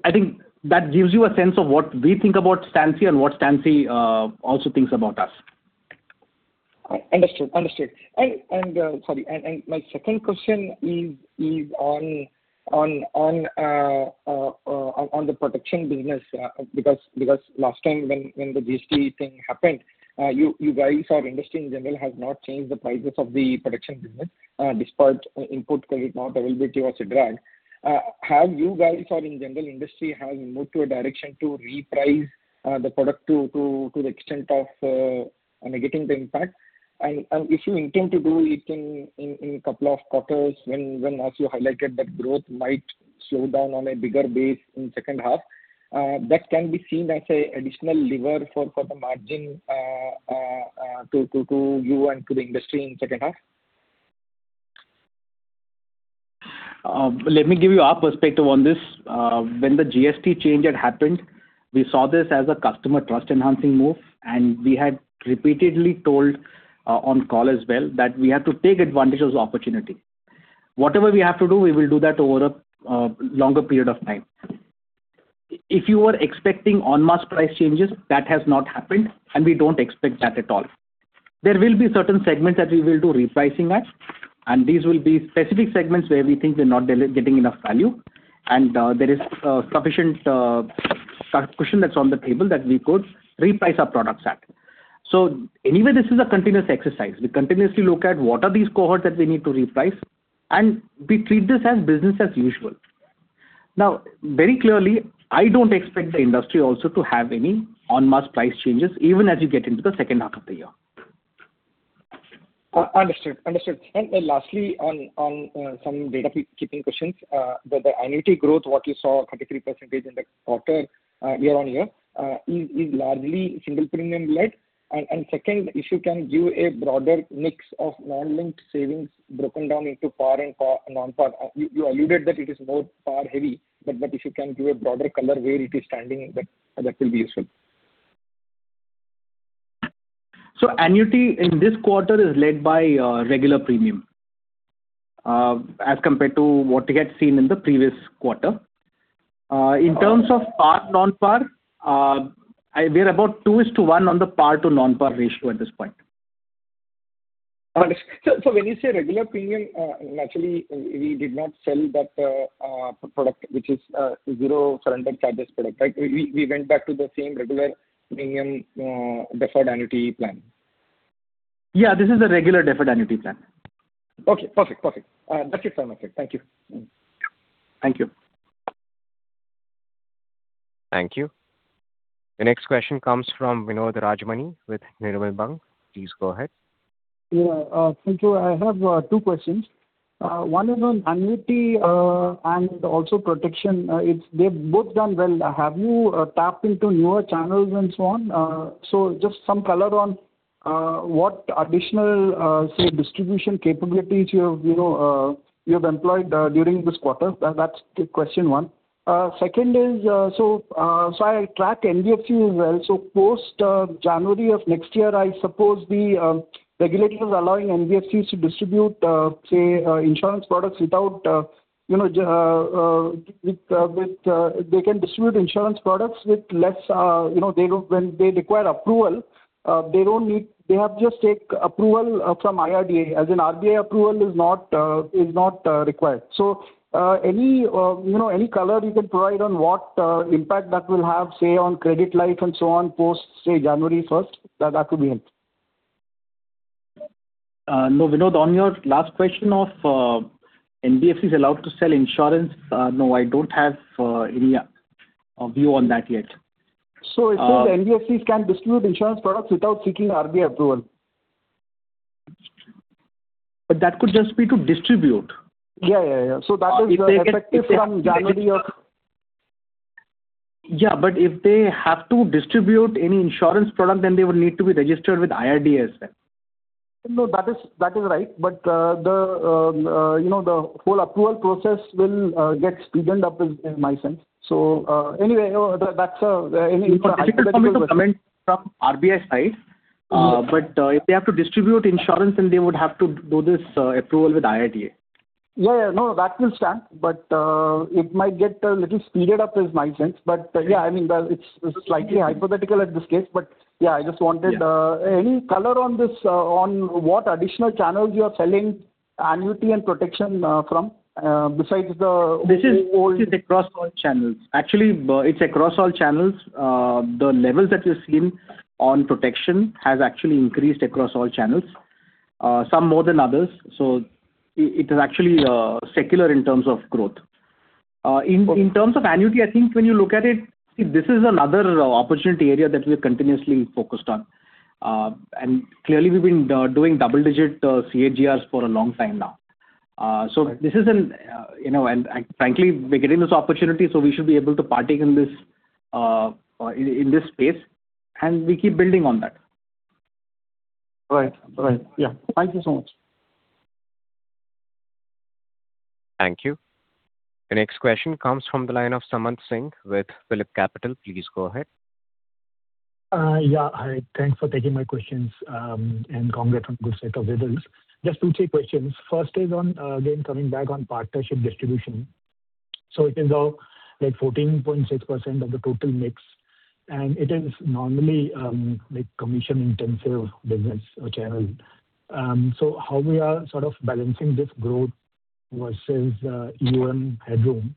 D: I think that gives you a sense of what we think about StanC and what StanC also thinks about us.
J: Understood. My second question is on the protection business because last time when the GST thing happened, you guys or industry in general has not changed the prices of the protection business despite input credit non-availability was a drag. Have you guys or in general industry has moved to a direction to reprice the product to the extent of mitigating the impact? If you intend to do it in couple of quarters when, as you highlighted, that growth might slow down on a bigger base in second half, that can be seen as an additional lever for the margin to you and to the industry in second half.
D: Let me give you our perspective on this. When the GST change had happened, we saw this as a customer trust-enhancing move. We had repeatedly told on call as well that we had to take advantage of the opportunity. Whatever we have to do, we will do that over a longer period of time. If you were expecting en masse price changes, that has not happened. We don't expect that at all. There will be certain segments that we will do repricing at. These will be specific segments where we think we're not getting enough value. There is sufficient cushion that's on the table that we could reprice our products at. Anyway, this is a continuous exercise. We continuously look at what are these cohorts that we need to reprice. We treat this as business as usual. Now, very clearly, I don't expect the industry also to have any en masse price changes, even as we get into the second half of the year.
J: Understood. Lastly, on some data keeping questions, the annuity growth, what you saw, 33% in the quarter year-on-year, is largely single premium-led. Second, if you can give a broader mix of non-linked savings broken down into par and non-par. You alluded that it is more par heavy, but if you can give a broader color where it is standing, that will be useful.
D: annuity in this quarter is led by regular premium as compared to what we had seen in the previous quarter. In terms of par, non-par we're about 2:1 on the par to non-par ratio at this point.
J: Understood. When you say regular premium, naturally we did not sell that product which is zero surrender charges product, right? We went back to the same regular premium deferred annuity plan.
D: Yeah, this is a regular deferred annuity plan.
J: Okay, perfect. That's it from my side. Thank you.
D: Thank you.
A: Thank you. The next question comes from Vinod Rajamani with Nirmal Bang. Please go ahead.
K: Yeah. Thank you. I have two questions. One is on annuity and also protection. They've both done well. Have you tapped into newer channels and so on? Just some color on what additional, say, distribution capabilities you have employed during this quarter. That's question one. Second is, I track NBFC as well. Post January of next year, I suppose the regulator is allowing NBFCs to distribute insurance products. They just take approval from IRDAI. As in RBI approval is not required. Any color you can provide on what impact that will have, say on credit life and so on, post January 1st? That could be helpful.
D: No, Vinod, on your last question of NBFCs allowed to sell insurance, no, I don't have any view on that yet.
K: It says NBFCs can distribute insurance products without seeking RBI approval.
D: That could just be to distribute.
K: Yeah.
D: Yeah. If they have to distribute any insurance product, then they would need to be registered with IRDAI as well.
K: No, that is right. The whole approval process will get speeded up is my sense.
D: From RBI side. If they have to distribute insurance then they would have to do this approval with IRDAI.
K: Yeah. No, that will stand, but it might get a little speeded up is my sense. I mean, well, it's slightly hypothetical in this case, I just wanted any color on what additional channels you are selling annuity and protection from besides the old.
D: This is across all channels. Actually, it's across all channels. The levels that we've seen on protection has actually increased across all channels, some more than others. It is actually secular in terms of growth. In terms of annuity, I think when you look at it, see this is another opportunity area that we're continuously focused on. Clearly we've been doing double-digit CAGRs for a long time now. Frankly, we're getting this opportunity, so we should be able to partake in this space, and we keep building on that.
K: Right. Yeah. Thank you so much.
A: Thank you. The next question comes from the line of Samant Singh with PhillipCapital. Please go ahead.
L: Yeah, hi. Thanks for taking my questions and congrats on good set of results. Just two, three questions. First is on, again, coming back on partnership distribution. It is now 14.6% of the total mix, and it is normally commission-intensive business or channel. How we are sort of balancing this growth versus AUM headroom?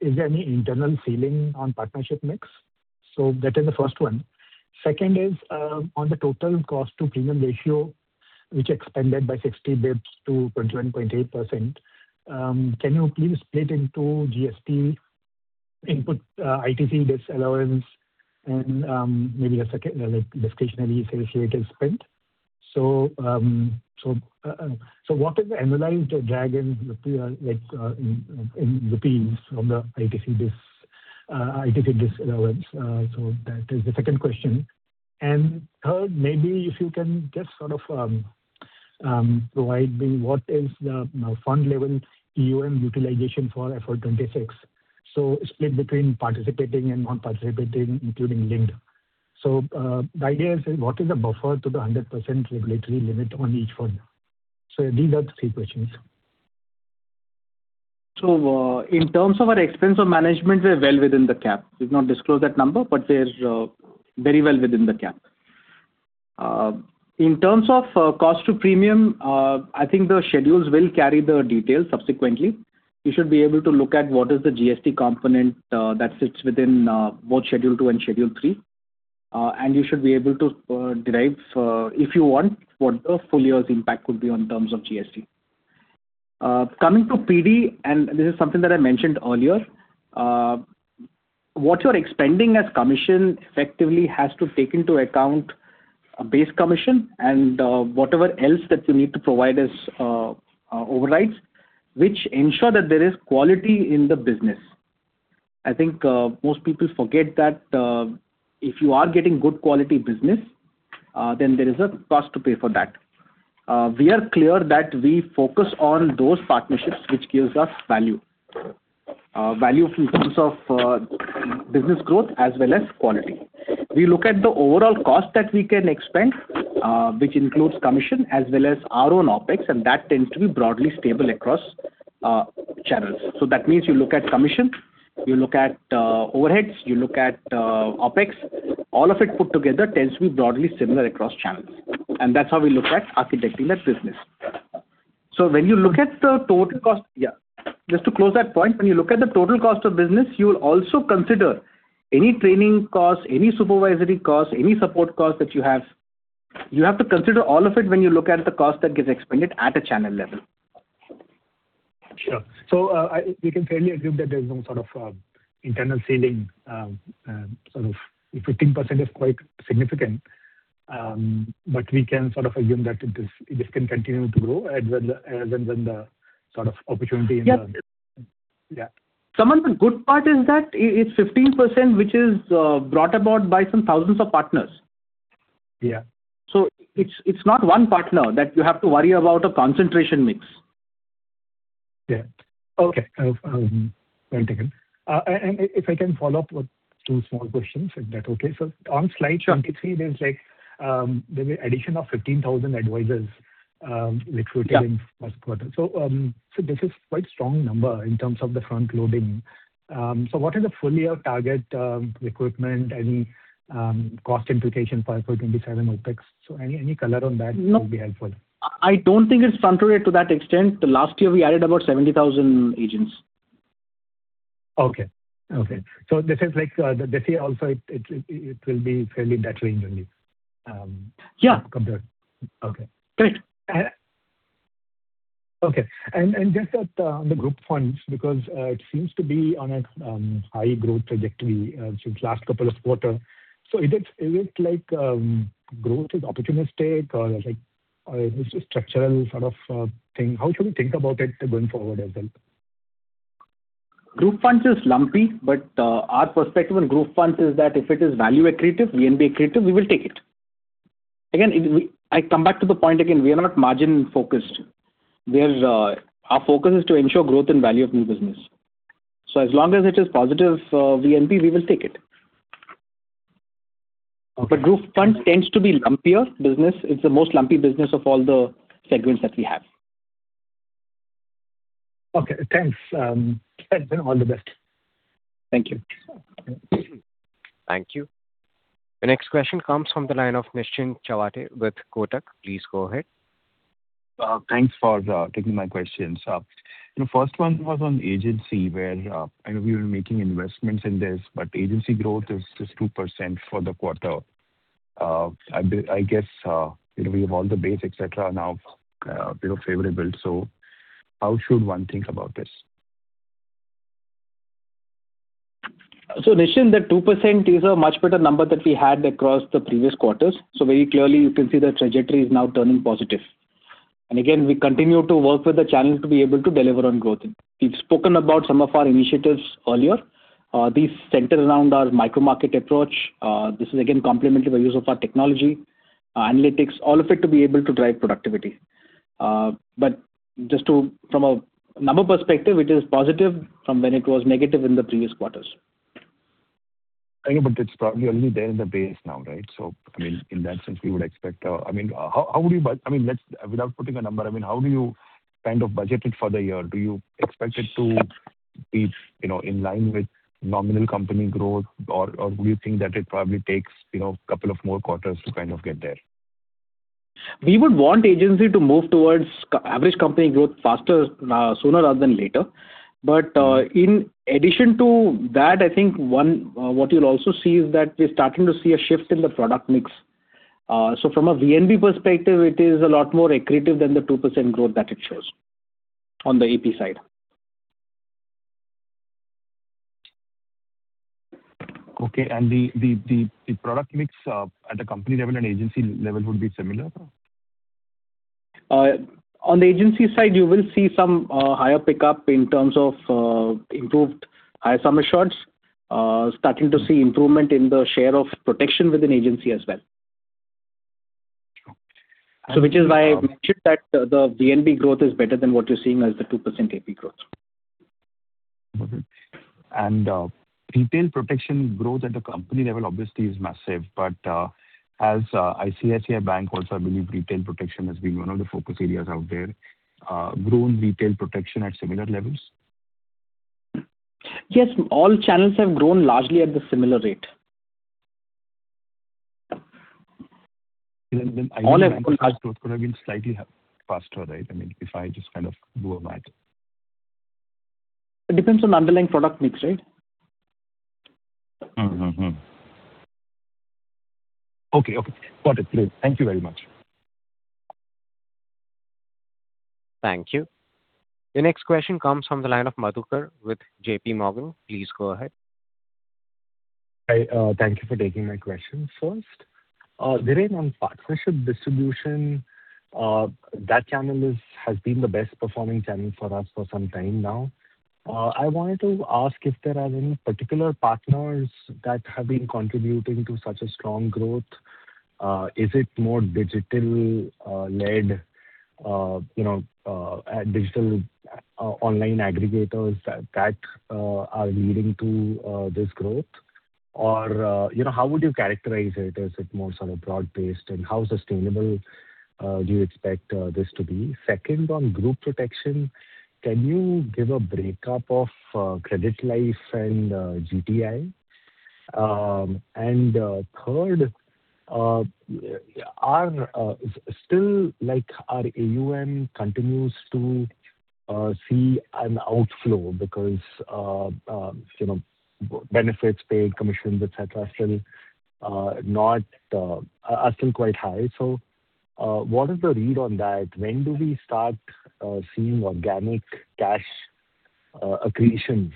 L: Is there any internal ceiling on partnership mix? That is the first one. Second is on the total cost to premium ratio, which expanded by 60 basis points to 21.8%. Can you please split into GST input, ITC bits allowance and maybe a second discretionary facilitated spend? What is the underlying drag in the OpEx from the ITC disallowance? That is the second question. Third, maybe if you can just sort of provide me what is the fund level AUM utilization for FY 2026? Split between participating and non-participating, including linked. The idea is that what is the buffer to the 100% regulatory limit on each fund? These are the three questions.
D: In terms of our expense of management, we're well within the cap. We've not disclosed that number, but we're very well within the cap. In terms of cost to premium, I think the schedules will carry the details subsequently. You should be able to look at what is the GST component that sits within both schedule two and schedule three. You should be able to derive, if you want, what a full year's impact could be in terms of GST. Coming to PD, this is something that I mentioned earlier. What you're expending as commission effectively has to take into account base commission and whatever else that you need to provide as overrides, which ensure that there is quality in the business. I think most people forget that if you are getting good quality business, then there is a cost to pay for that. We are clear that we focus on those partnerships, which gives us value. Value in terms of business growth as well as quality. We look at the overall cost that we can expend which includes commission as well as our own OpEx, and that tends to be broadly stable across channels. That means you look at commission, you look at overheads, you look at OpEx. All of it put together tends to be broadly similar across channels, and that's how we look at architecting that business. Just to close that point, when you look at the total cost of business, you'll also consider any training cost, any supervisory cost, any support cost that you have. You have to consider all of it when you look at the cost that gets expended at a channel level.
L: Sure. We can fairly agree that there's no sort of internal ceiling and if 15% is quite significant, but we can sort of assume that this can continue to grow as and when the sort of opportunity in the-
D: Yeah.
L: Yeah.
D: Samant, the good part is that it's 15%, which is brought about by some thousands of partners.
L: Yeah.
D: It's not one partner that you have to worry about a concentration mix.
L: Yeah.
D: Okay.
L: Okay. Well taken. If I can follow up with two small questions, if that's okay. On slide 23, there's the addition of 15,000 advisors-
D: Yeah.
L: ...first quarter. This is quite strong number in terms of the front-loading. What is the full year target recruitment, any cost implication for FY 2027 OpEx? Any color on that would be helpful.
D: No. I don't think it's front-loaded to that extent. The last year, we added about 70,000 agents.
L: Okay. This is like, this year also it will be fairly in that range only?
D: Yeah.
L: Compared. Okay.
D: Great.
L: Okay. Just on the group funds, because it seems to be on a high growth trajectory since last couple of quarter. Is it growth is opportunistic or is this a structural sort of thing? How should we think about it going forward as well?
D: Group funds is lumpy, our perspective on group funds is that if it is value accretive, VNB accretive, we will take it. Again, I come back to the point again, we are not margin-focused. Our focus is to ensure growth and value of new business. As long as it is positive for VNB, we will take it. Group funds tends to be lumpier business. It's the most lumpy business of all the segments that we have.
L: Okay, thanks. That's been all the best.
D: Thank you.
L: Okay.
A: Thank you. The next question comes from the line of Nischint Chawathe with Kotak. Please go ahead.
M: Thanks for taking my questions. First one was on agency where I know we were making investments in this, but agency growth is just 2% for the quarter. I guess, we have all the base, etc, now favorable, so how should one think about this?
D: Nischint, the 2% is a much better number that we had across the previous quarters. Very clearly you can see the trajectory is now turning positive. Again, we continue to work with the channel to be able to deliver on growth. We've spoken about some of our initiatives earlier. These center around our micro-market approach. This is again complemented by use of our technology, analytics, all of it to be able to drive productivity. Just from a number perspective, it is positive from when it was negative in the previous quarters.
M: I know, it's probably only there in the base now, right? I mean, in that sense. Without putting a number, how do you budget it for the year? Do you expect it to be in line with nominal company growth or do you think that it probably takes a couple of more quarters to get there?
D: We would want agency to move towards average company growth faster, sooner rather than later. In addition to that, I think what you'll also see is that we're starting to see a shift in the product mix. From a VNB perspective, it is a lot more accretive than the 2% growth that it shows on the APE side.
M: Okay. The product mix at the company level and agency level would be similar?
D: On the agency side, you will see some higher pickup in terms of improved high sum assured, starting to see improvement in the share of protection within agency as well. Which is why I mentioned that the VNB growth is better than what you're seeing as the 2% APE growth.
M: Got it. Retail protection growth at the company level obviously is massive, as ICICI Bank also, I believe retail protection has been one of the focus areas out there. Grown retail protection at similar levels?
D: Yes. All channels have grown largely at the similar rate.
M: I would imagine-
D: All have grown large.
M: ...growth could have been slightly faster, right? I mean, if I just do a math.
D: It depends on underlying product mix, right?
M: Mm-hmm. Okay. Got it. Great. Thank you very much.
A: Thank you. The next question comes from the line of Madhukar with JPMorgan. Please go ahead.
N: Hi. Thank you for taking my question. First, Dhiren, on partnership distribution, that channel has been the best performing channel for us for some time now. I wanted to ask if there are any particular partners that have been contributing to such a strong growth. Is it more digital-led, digital online aggregators that are leading to this growth? Or how would you characterize it? Is it more sort of broad based and how sustainable do you expect this to be? Second, on group protection, can you give a breakup of credit life and GTI? Third, still our AUM continues to see an outflow because benefits paid, commissions, etc, are still quite high. What is the read on that? When do we start seeing organic cash accretion?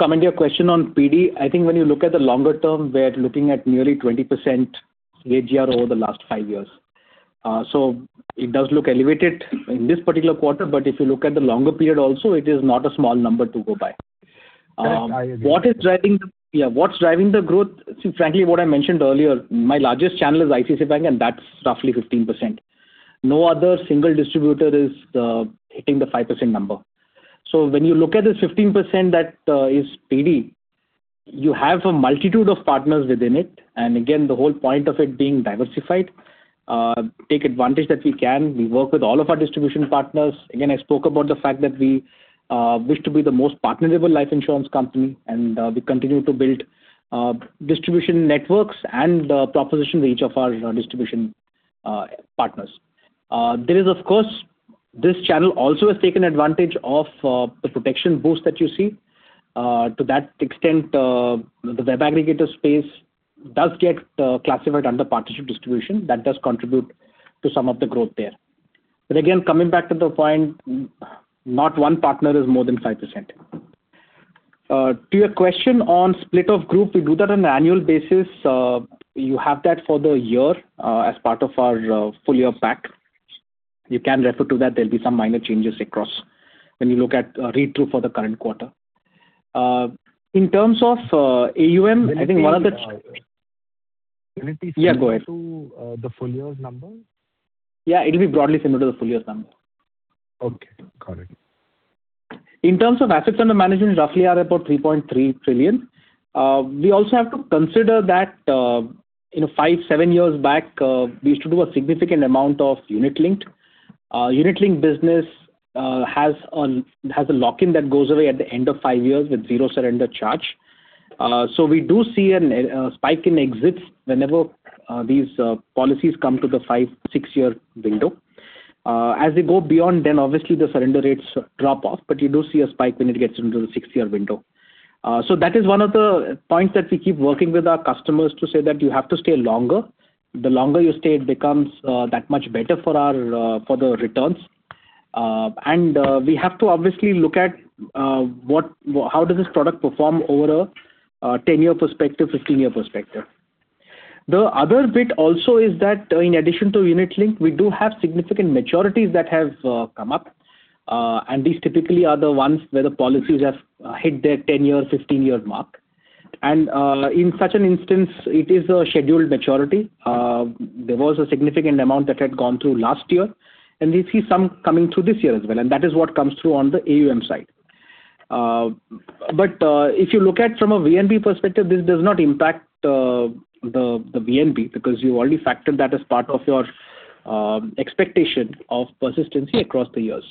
D: Coming to your question on PD, I think when you look at the longer term, we're looking at nearly 20% CAGR over the last five years. It does look elevated in this particular quarter, but if you look at the longer period also, it is not a small number to go by.
N: That I agree.
D: What's driving the growth? Frankly, what I mentioned earlier, my largest channel is ICICI Bank, and that's roughly 15%. No other single distributor is hitting the 5% number. When you look at the 15% that is PD, you have a multitude of partners within it, and again, the whole point of it being diversified, take advantage that we can. We work with all of our distribution partners. Again, I spoke about the fact that we wish to be the most partnerable life insurance company, and we continue to build distribution networks and propositions with each of our distribution partners. There is, of course, this channel also has taken advantage of the protection boost that you see. To that extent, the web aggregator space does get classified under partnership distribution. That does contribute to some of the growth there. Again, coming back to the point, not one partner is more than 5%. To your question on split of group, we do that on an annual basis. You have that for the year as part of our full-year pack. You can refer to that. There'll be some minor changes across when you look at read-through for the current quarter. In terms of AUM, I think one of the-
N: Will it be-
D: Yeah, go ahead.
N: Similar to the full year's number?
D: Yeah, it'll be broadly similar to the full year's number.
N: Okay, got it.
D: In terms of assets under management, roughly are about 3.3 trillion. We also have to consider that in five, seven years back, we used to do a significant amount of unit linked. Unit linked business has a lock-in that goes away at the end of five years with zero surrender charge. We do see a spike in exits whenever these policies come to the five, six-year window. As they go beyond then obviously the surrender rates drop off, but you do see a spike when it gets into the six-year window. That is one of the points that we keep working with our customers to say that you have to stay longer. The longer you stay, it becomes that much better for the returns. We have to obviously look at how does this product perform over a 10-year perspective, 15-year perspective. The other bit also is that in addition to unit link, we do have significant maturities that have come up. These typically are the ones where the policies have hit their 10-year, 15-year mark. In such an instance, it is a scheduled maturity. There was a significant amount that had gone through last year. We see some coming through this year as well. That is what comes through on the AUM side. If you look at from a VNB perspective, this does not impact the VNB because you already factored that as part of your expectation of persistency across the years.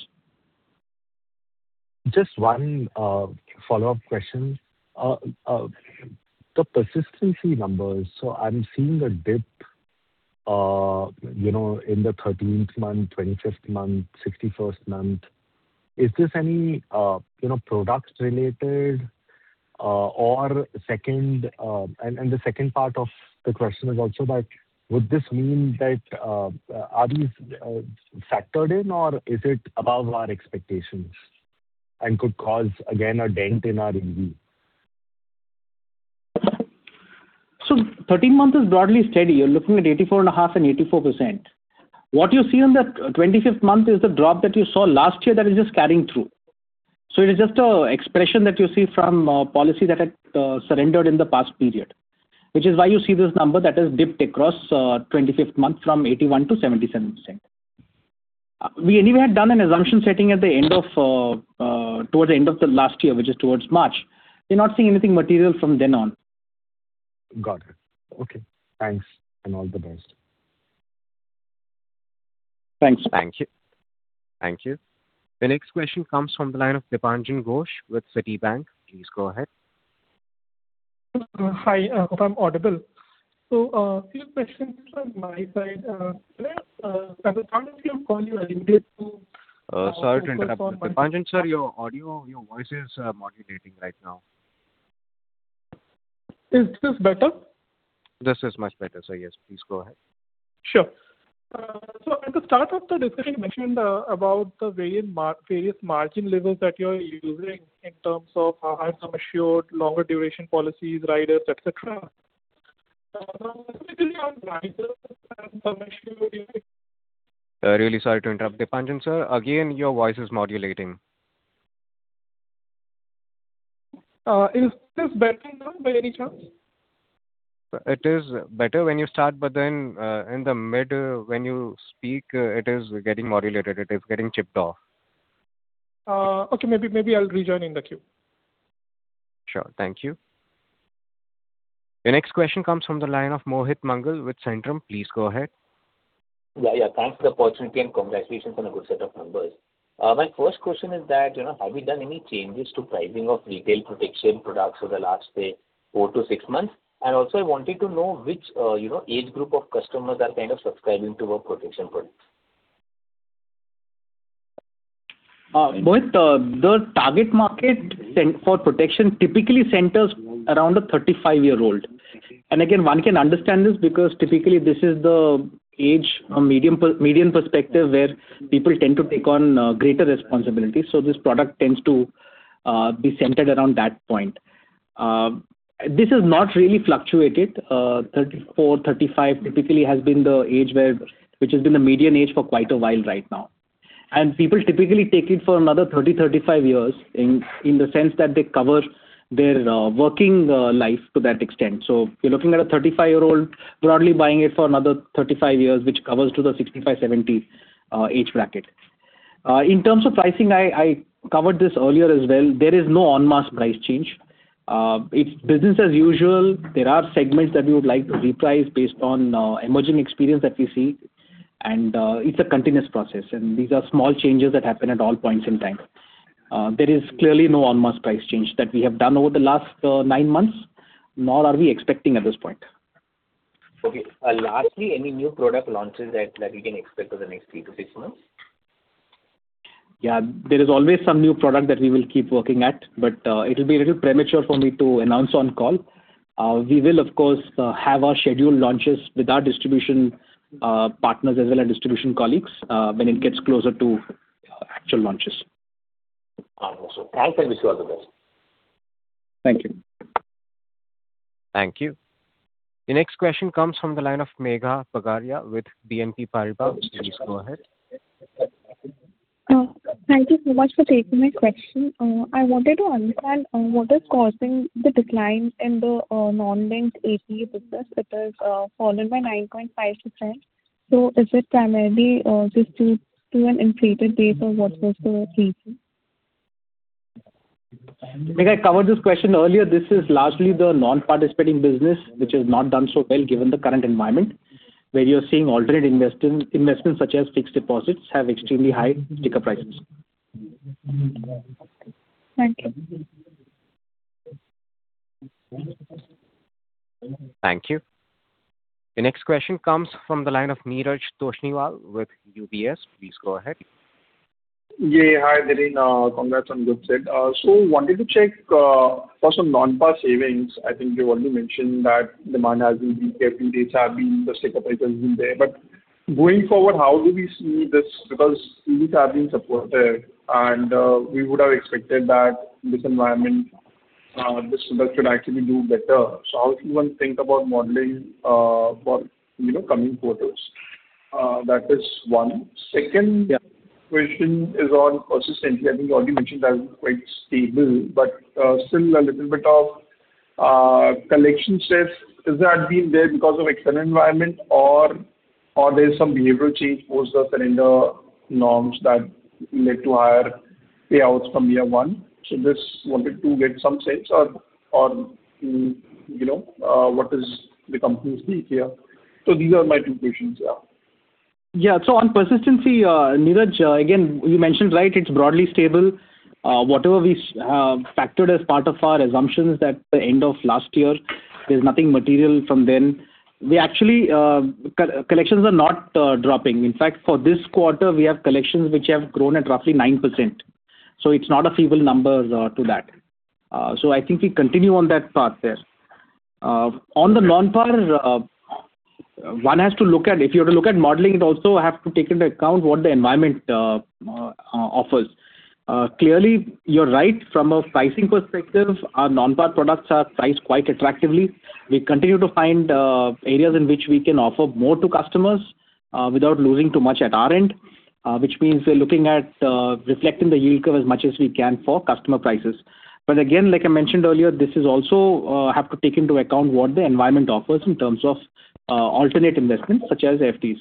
N: Just one follow-up question. The persistency numbers, I'm seeing a dip in the 13th month, 25th month, 61st month. Is this any product related? The second part of the question is also that would this mean that are these factored in or is it above our expectations and could cause again a dent in our EV?
D: 13 month is broadly steady. You're looking at 84.5% and 84%. What you see on the 25th month is the drop that you saw last year that is just carrying through. It is just an expression that you see from policy that had surrendered in the past period, which is why you see this number that has dipped across 25th month from 81%-77%. We anyway had done an assumption setting towards the end of the last year, which is towards March. We're not seeing anything material from then on.
N: Got it. Okay. Thanks, and all the best.
D: Thanks.
A: Thank you. The next question comes from the line of Dipanjan Ghosh with Citibank. Please go ahead.
O: Hi. Hope I'm audible. A few questions from my side. At the time of your call, you indicated.
A: Sorry to interrupt. Dipanjan sir, your audio, your voice is modulating right now.
O: Is this better?
A: This is much better, sir. Yes, please go ahead.
O: Sure. At the start of the discussion, you mentioned about the various margin levels that you're using in terms of high sum assured, longer duration policies, riders, etc. Specifically on riders and sum assured-
A: Really sorry to interrupt, Dipanjan sir. Again, your voice is modulating.
O: Is this better now by any chance?
A: It is better when you start, but then in the mid when you speak, it is getting modulated. It is getting chipped off.
O: Okay. Maybe I'll rejoin in the queue.
A: Sure. Thank you. The next question comes from the line of Mohit Mangal with Centrum. Please go ahead.
P: Thanks for the opportunity and congratulations on a good set of numbers. My first question is that have you done any changes to pricing of retail protection products over the last, say, four to six months? Also, I wanted to know which age group of customers are kind of subscribing to your protection products.
D: Mohit, the target market for protection typically centers around a 35-year-old. Again, one can understand this because typically this is the age or median perspective where people tend to take on greater responsibility. This product tends to be centered around that point. This has not really fluctuated. 34, 35 typically has been the age where which has been the median age for quite a while right now. People typically take it for another 30, 35 years in the sense that they cover their working life to that extent. You're looking at a 35-year-old broadly buying it for another 35 years, which covers to the 65, 70 age bracket. In terms of pricing, I covered this earlier as well. There is no en masse price change. It's business as usual. There are segments that we would like to reprice based on emerging experience that we see, and it's a continuous process, and these are small changes that happen at all points in time. There is clearly no en masse price change that we have done over the last nine months, nor are we expecting at this point.
P: Okay. Lastly, any new product launches that we can expect over the next three to six months?
D: Yeah. There is always some new product that we will keep working at, but it'll be a little premature for me to announce on call. We will, of course, have our scheduled launches with our distribution partners as well as distribution colleagues when it gets closer to actual launches.
P: Awesome. Thanks, and wish you all the best.
D: Thank you.
A: Thank you. The next question comes from the line of Megha Bagaria with BNP Paribas. Please go ahead.
Q: Thank you so much for taking my question. I wanted to understand what is causing the decline in the non-linked APE business that has fallen by 9.5%. Is it primarily just due to an inflated base or what was the reason?
D: Megha, I covered this question earlier. This is largely the non-participating business, which has not done so well given the current environment, where you are seeing alternate investments such as fixed deposits have extremely high sticker prices.
Q: Thank you.
A: Thank you. The next question comes from the line of Neeraj Toshniwal with UBS. Please go ahead.
R: Yeah. Hi, Dhiren. Congrats on good set. Wanted to check for some non-par savings. I think you've already mentioned that the sticker price has been there. Going forward, how do we see this? Yields have been supportive, and we would have expected that this environment should actually do better. How does one think about modeling for coming quarters? That is one.
D: Yeah.
R: Question is on persistency. I think you already mentioned that it's quite stable, but still a little bit of collection stress. Is that being there because of external environment or there is some behavioral change post the surrender norms that led to higher payouts from year one? Just wanted to get some sense on what is the company's take here. These are my two questions. Yeah.
D: Yeah. On persistency, Neeraj, again, you mentioned right, it's broadly stable. Whatever we factored as part of our assumptions at the end of last year, there's nothing material from then. Actually, collections are not dropping. In fact, for this quarter, we have collections which have grown at roughly 9%. It's not a feeble number to that. I think we continue on that path there. On the non-par, one has to look at, if you were to look at modeling it also have to take into account what the environment offers. Clearly, you're right. From a pricing perspective, our non-par products are priced quite attractively. We continue to find areas in which we can offer more to customers without losing too much at our end, which means we're looking at reflecting the yield curve as much as we can for customer prices. Again, like I mentioned earlier, this is also have to take into account what the environment offers in terms of alternate investments such as FDs.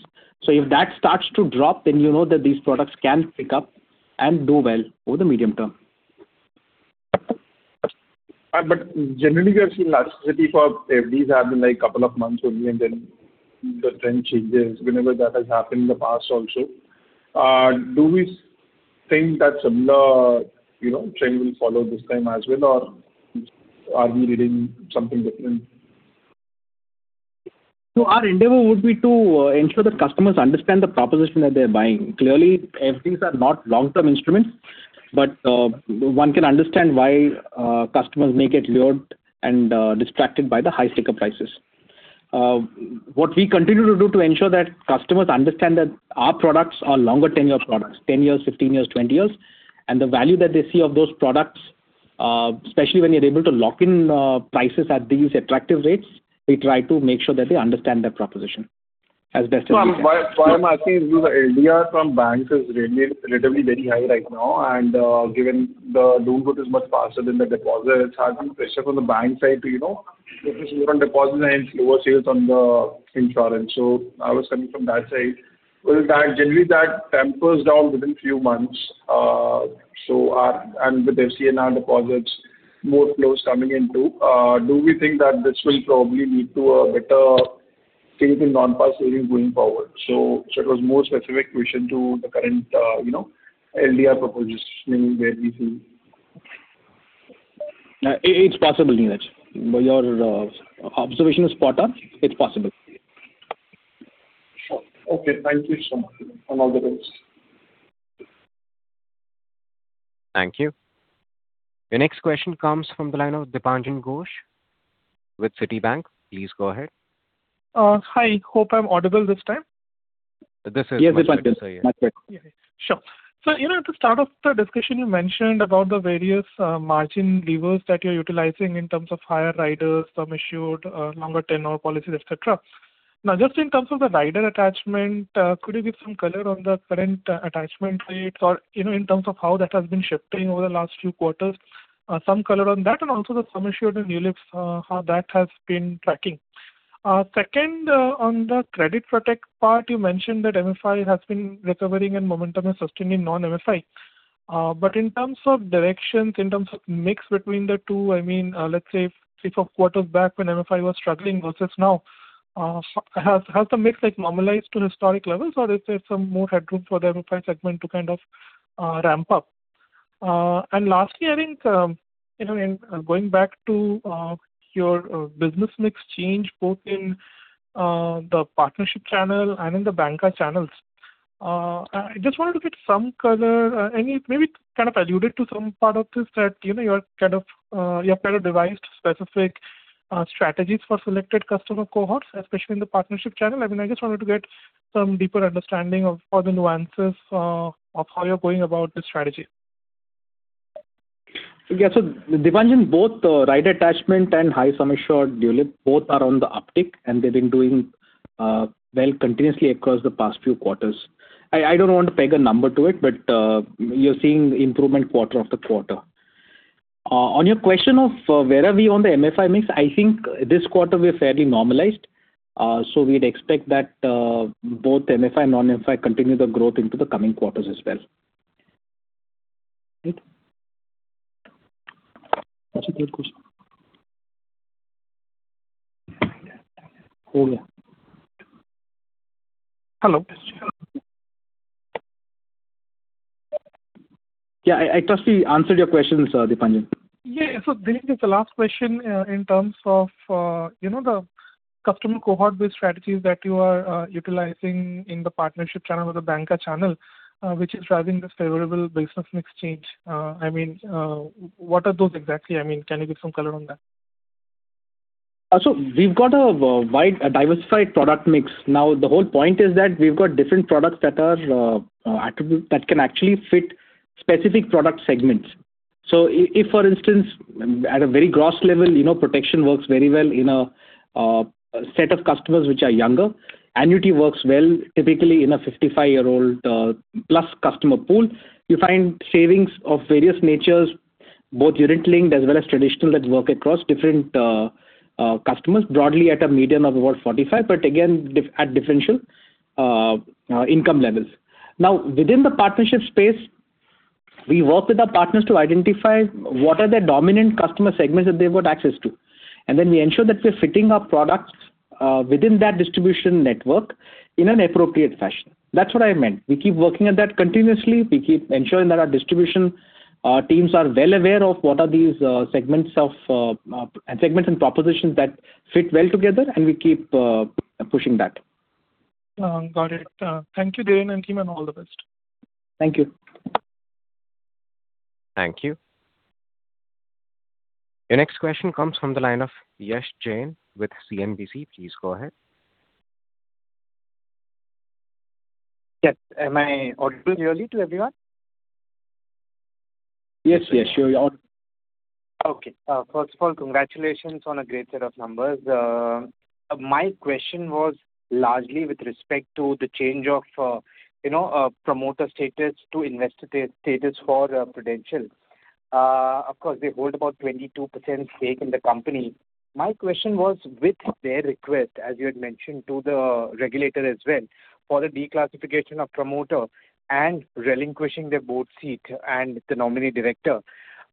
D: If that starts to drop, then you know that these products can pick up and do well over the medium term.
R: Generally, we have seen elasticity for FDs have been couple of months only, and then the trend changes whenever that has happened in the past also. Do we think that similar trend will follow this time as well, or are we reading something different?
D: Our endeavor would be to ensure that customers understand the proposition that they're buying. Clearly, FDs are not long-term instruments, but one can understand why customers may get lured and distracted by the high sticker prices. What we continue to do to ensure that customers understand that our products are longer tenure products, 10 years, 15 years, 20 years. The value that they see of those products, especially when you're able to lock in prices at these attractive rates, we try to make sure that they understand that proposition as best as we can.
R: What I'm asking is the LDR from banks is relatively very high right now, and given the loan book is much faster than the deposits, has been pressure from the bank side to focus more on deposits and lower sales on the insurance. I was coming from that side. With that, generally, that tempers down within few months. With FCNR deposits, more flows coming in too. Do we think that this will probably lead to a better take in non-par savings going forward? It was more specific question to the current LDR proposition where we see.
D: It's possible, Neeraj. Your observation is spot on. It's possible.
R: Sure. Okay. Thank you so much. All the best.
A: Thank you. The next question comes from the line of Dipanjan Ghosh with Citi. Please go ahead.
O: Hi. Hope I'm audible this time.
A: This is much better, sir, yes.
D: Yes, this is much better.
O: Sure. At the start of the discussion, you mentioned about the various margin levers that you're utilizing in terms of higher riders, sum assured, longer tenure policies, etc. Just in terms of the rider attachment, could you give some color on the current attachment rates or in terms of how that has been shifting over the last few quarters? Some color on that, also the sum assured and ULIPs, how that has been tracking. Second, on the credit protect part, you mentioned that MFI has been recovering and momentum is sustained in non-MFI. In terms of directions, in terms of mix between the two, let's say three, four quarters back when MFI was struggling versus now, has the mix normalized to historic levels or is there some more headroom for the MFI segment to ramp up? Lastly, I think, going back to your business mix change both in the partnership channel and in the banker channels, I just wanted to get some color. Maybe you kind of alluded to some part of this that you have kind of devised specific strategies for selected customer cohorts, especially in the partnership channel. I just wanted to get some deeper understanding of all the nuances of how you're going about this strategy.
D: Yeah. Dipanjan, both rider attachment and high sum assured ULIP, both are on the uptick and they've been doing well continuously across the past few quarters. I don't want to peg a number to it, but you're seeing improvement quarter after quarter. On your question of where are we on the MFI mix, I think this quarter we are fairly normalized. We'd expect that both MFI and non-MFI continue the growth into the coming quarters as well. Right. That's a great question. Yeah. I trust we answered your questions, Dipanjan.
O: Yeah. Dhiren, just the last question in terms of the customer cohort-based strategies that you are utilizing in the partnership channel or the banker channel, which is driving this favorable business mix change. What are those exactly? Can you give some color on that?
D: We've got a wide diversified product mix. The whole point is that we've got different products that can actually fit specific product segments. If, for instance, at a very gross level, protection works very well in a set of customers which are younger. Annuity works well typically in a 55-year-old plus customer pool. You find savings of various natures, both unit-linked as well as traditional, that work across different customers broadly at a median of about 45, but again, at differential income levels. Within the partnership space, we work with our partners to identify what are the dominant customer segments that they've got access to. Then we ensure that we're fitting our products within that distribution network in an appropriate fashion. That's what I meant. We keep working at that continuously. We keep ensuring that our distribution teams are well aware of what are these segments and propositions that fit well together, and we keep pushing that.
O: Got it. Thank you, Dhiren and team, and all the best.
D: Thank you.
A: Thank you. Your next question comes from the line of Yash Jain with CNBC. Please go ahead.
S: Yes. Am I audible clearly to everyone?
A: Yes, Yash.
S: Okay. First of all, congratulations on a great set of numbers. My question was largely with respect to the change of promoter status to investor status for Prudential. Of course, they hold about 22% stake in the company. My question was with their request, as you had mentioned to the regulator as well, for the declassification of promoter and relinquishing their Board seat and the nominee director.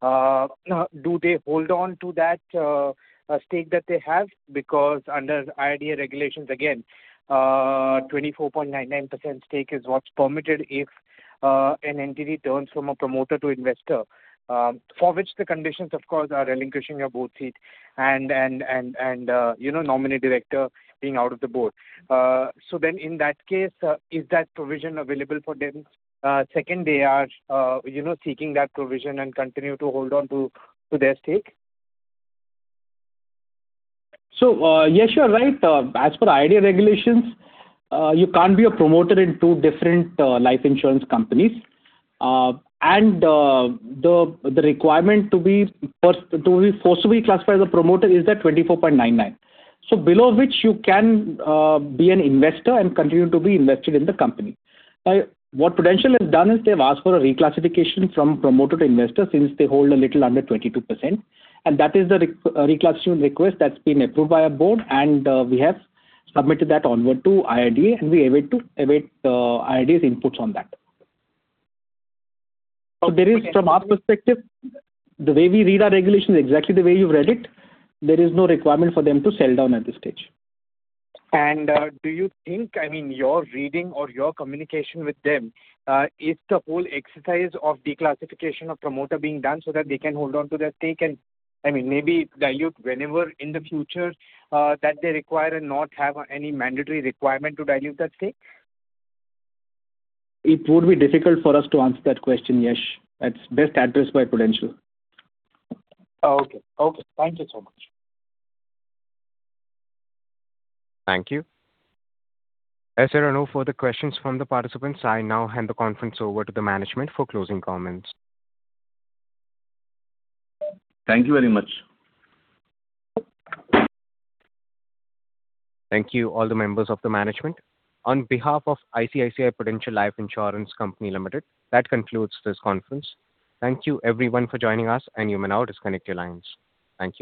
S: Now, do they hold on to that stake that they have? Because under IRDAI regulations, again, 24.99% stake is what's permitted if an entity turns from a promoter to investor for which the conditions, of course, are relinquishing your board seat and nominee Director being out of the Board. In that case, is that provision available for them second, they are seeking that provision and continue to hold on to their stake?
D: Yash, you're right. As per IRDAI regulations, you can't be a promoter in two different life insurance companies. The requirement to be forcibly classified as a promoter is that 24.99%. Below which you can be an investor and continue to be invested in the company. What Prudential has done is they've asked for a reclassification from promoter to investor since they hold a little under 22%. That is the reclassification request that's been approved by our board, and we have submitted that onward to IRDAI, and we await IRDAI's inputs on that. There is, from our perspective, the way we read our regulations, exactly the way you've read it, there is no requirement for them to sell down at this stage.
S: Do you think your reading or your communication with them is the whole exercise of declassification of promoter being done so that they can hold on to their stake and maybe dilute whenever in the future that they require and not have any mandatory requirement to dilute that stake?
D: It would be difficult for us to answer that question, Yash. That's best addressed by Prudential.
S: Okay. Thank you so much.
A: Thank you. As there are no further questions from the participants, I now hand the conference over to the management for closing comments.
D: Thank you very much.
A: Thank you all the members of the management. On behalf of ICICI Prudential Life Insurance Company Limited, that concludes this conference. Thank you everyone for joining us, and you may now disconnect your lines. Thank you.